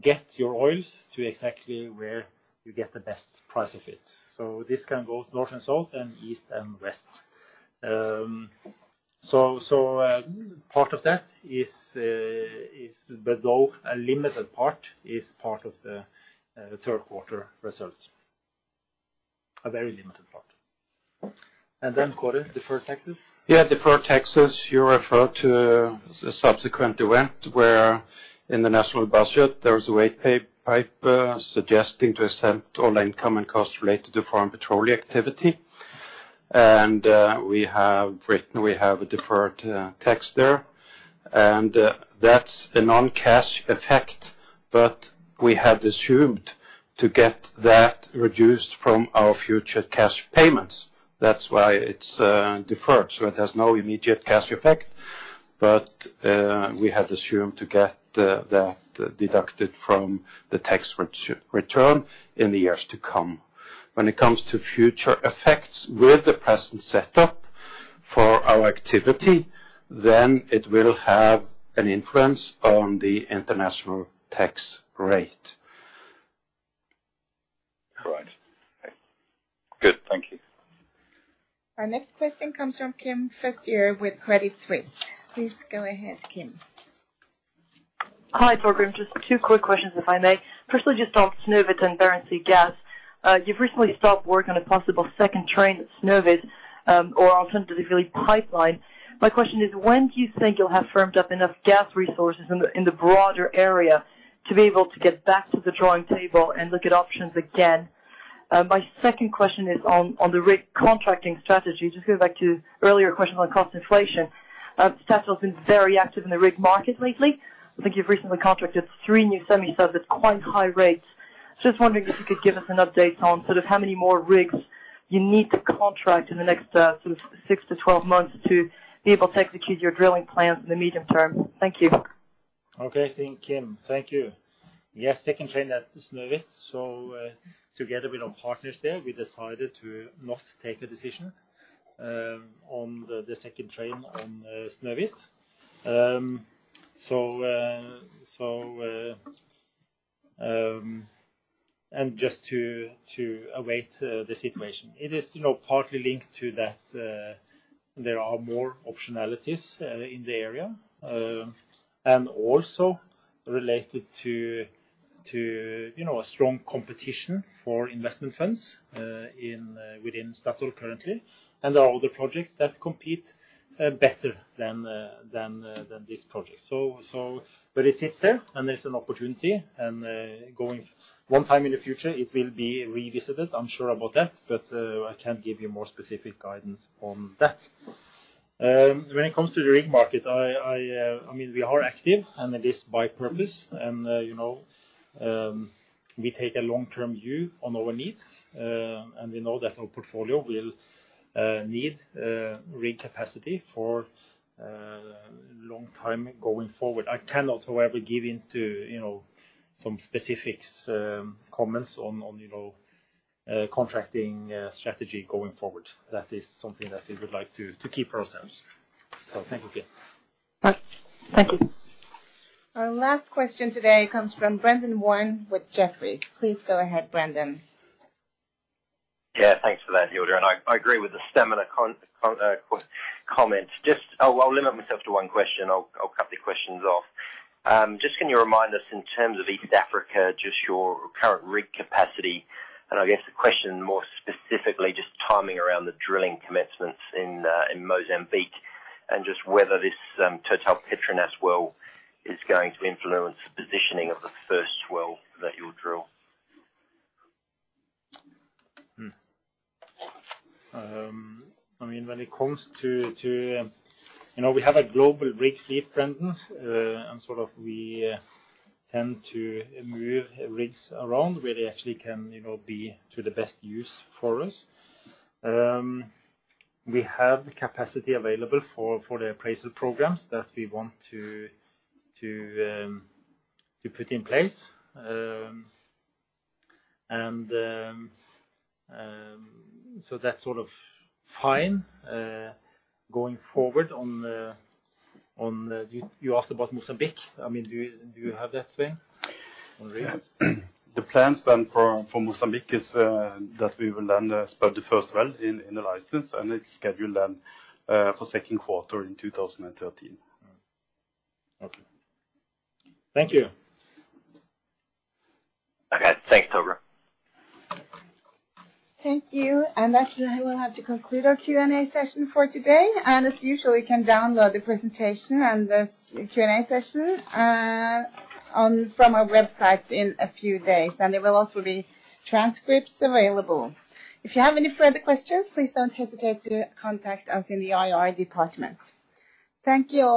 S2: get your oils to exactly where you get the best price of it. This can go north and south and east and west. Part of that is below the line. A limited part is part of the Q3 results. A very limited part. Kåre, deferred taxes?
S17: Yeah, deferred taxes. You refer to a subsequent event where in the national budget there was a white paper suggesting to accept all income and costs related to foreign petroleum activity. We have a deferred tax there, and that's a non-cash effect. We have assumed to get that reduced from our future cash payments. That's why it's deferred. It has no immediate cash effect, but we have assumed to get the deducted from the tax return in the years to come. When it comes to future effects with the present setup
S2: For our activity, then it will have an influence on the international tax rate.
S23: Right. Good. Thank you.
S1: Our next question comes from Kim Fustier with Credit Suisse. Please go ahead, Kim.
S24: Hi, Torgrim. Just two quick questions, if I may. Firstly, just on Snøhvit and Barents Sea gas. You've recently stopped work on a possible second train at Snøhvit, or alternatively, pipeline. My question is, when do you think you'll have firmed up enough gas resources in the broader area to be able to get back to the drawing table and look at options again? My second question is on the rig contracting strategy. Just going back to earlier questions on cost inflation. Statoil's been very active in the rig market lately. I think you've recently contracted three new semisubs at quite high rates. Just wondering if you could give us an update on sort of how many more rigs you need to contract in the next, sort of 6-12 months to be able to execute your drilling plan in the medium term? Thank you.
S2: Okay, thank you, Kim. Thank you. Yes, second train at Snøhvit. Together with our partners there, we decided to not take a decision on the second train on Snøhvit. Just to await the situation. It is, you know, partly linked to that there are more optionalities in the area and also related to, you know, a strong competition for investment funds within Statoil currently, and there are other projects that compete better than this project. But it sits there, and there's an opportunity, and going one time in the future, it will be revisited. I'm sure about that. I can't give you more specific guidance on that. When it comes to the rig market, I mean, we are active, and it is by purpose. You know, we take a long-term view on our needs, and we know that our portfolio will need rig capacity for long time going forward. I cannot, however, go into you know, some specific comments on you know, contracting strategy going forward. That is something that we would like to keep for ourselves. Thank you, Kim.
S24: Thank you.
S1: Our last question today comes from Brendan Warn with Jefferies. Please go ahead, Brendan.
S25: Yeah, thanks for that, Hilde. I agree with the comments. Just, I'll limit myself to one question. I'll cut the questions off. Just, can you remind us in terms of East Africa, just your current rig capacity? I guess the question more specifically, just timing around the drilling commencements in Mozambique and just whether this Total/Petronas well is going to influence the positioning of the first well that you'll drill.
S2: I mean, when it comes to, you know, we have a global rig fleet, Brendan, and sort of we tend to move rigs around where they actually can, you know, be to the best use for us. We have the capacity available for the appraisal programs that we want to put in place. That's sort of fine going forward. You asked about Mozambique. I mean, do you have that thing on rigs?
S25: Yes. The plans for Mozambique is that we will land probably the first well in the license, and it's scheduled for Q2 in 2013.
S2: Okay. Thank you.
S25: Okay. Thanks, Torgrim.
S1: Thank you. That's where we'll have to conclude our Q&A session for today. As usual, you can download the presentation and this Q&A session from our website in a few days, and there will also be transcripts available. If you have any further questions, please don't hesitate to contact us in the IR department. Thank you all.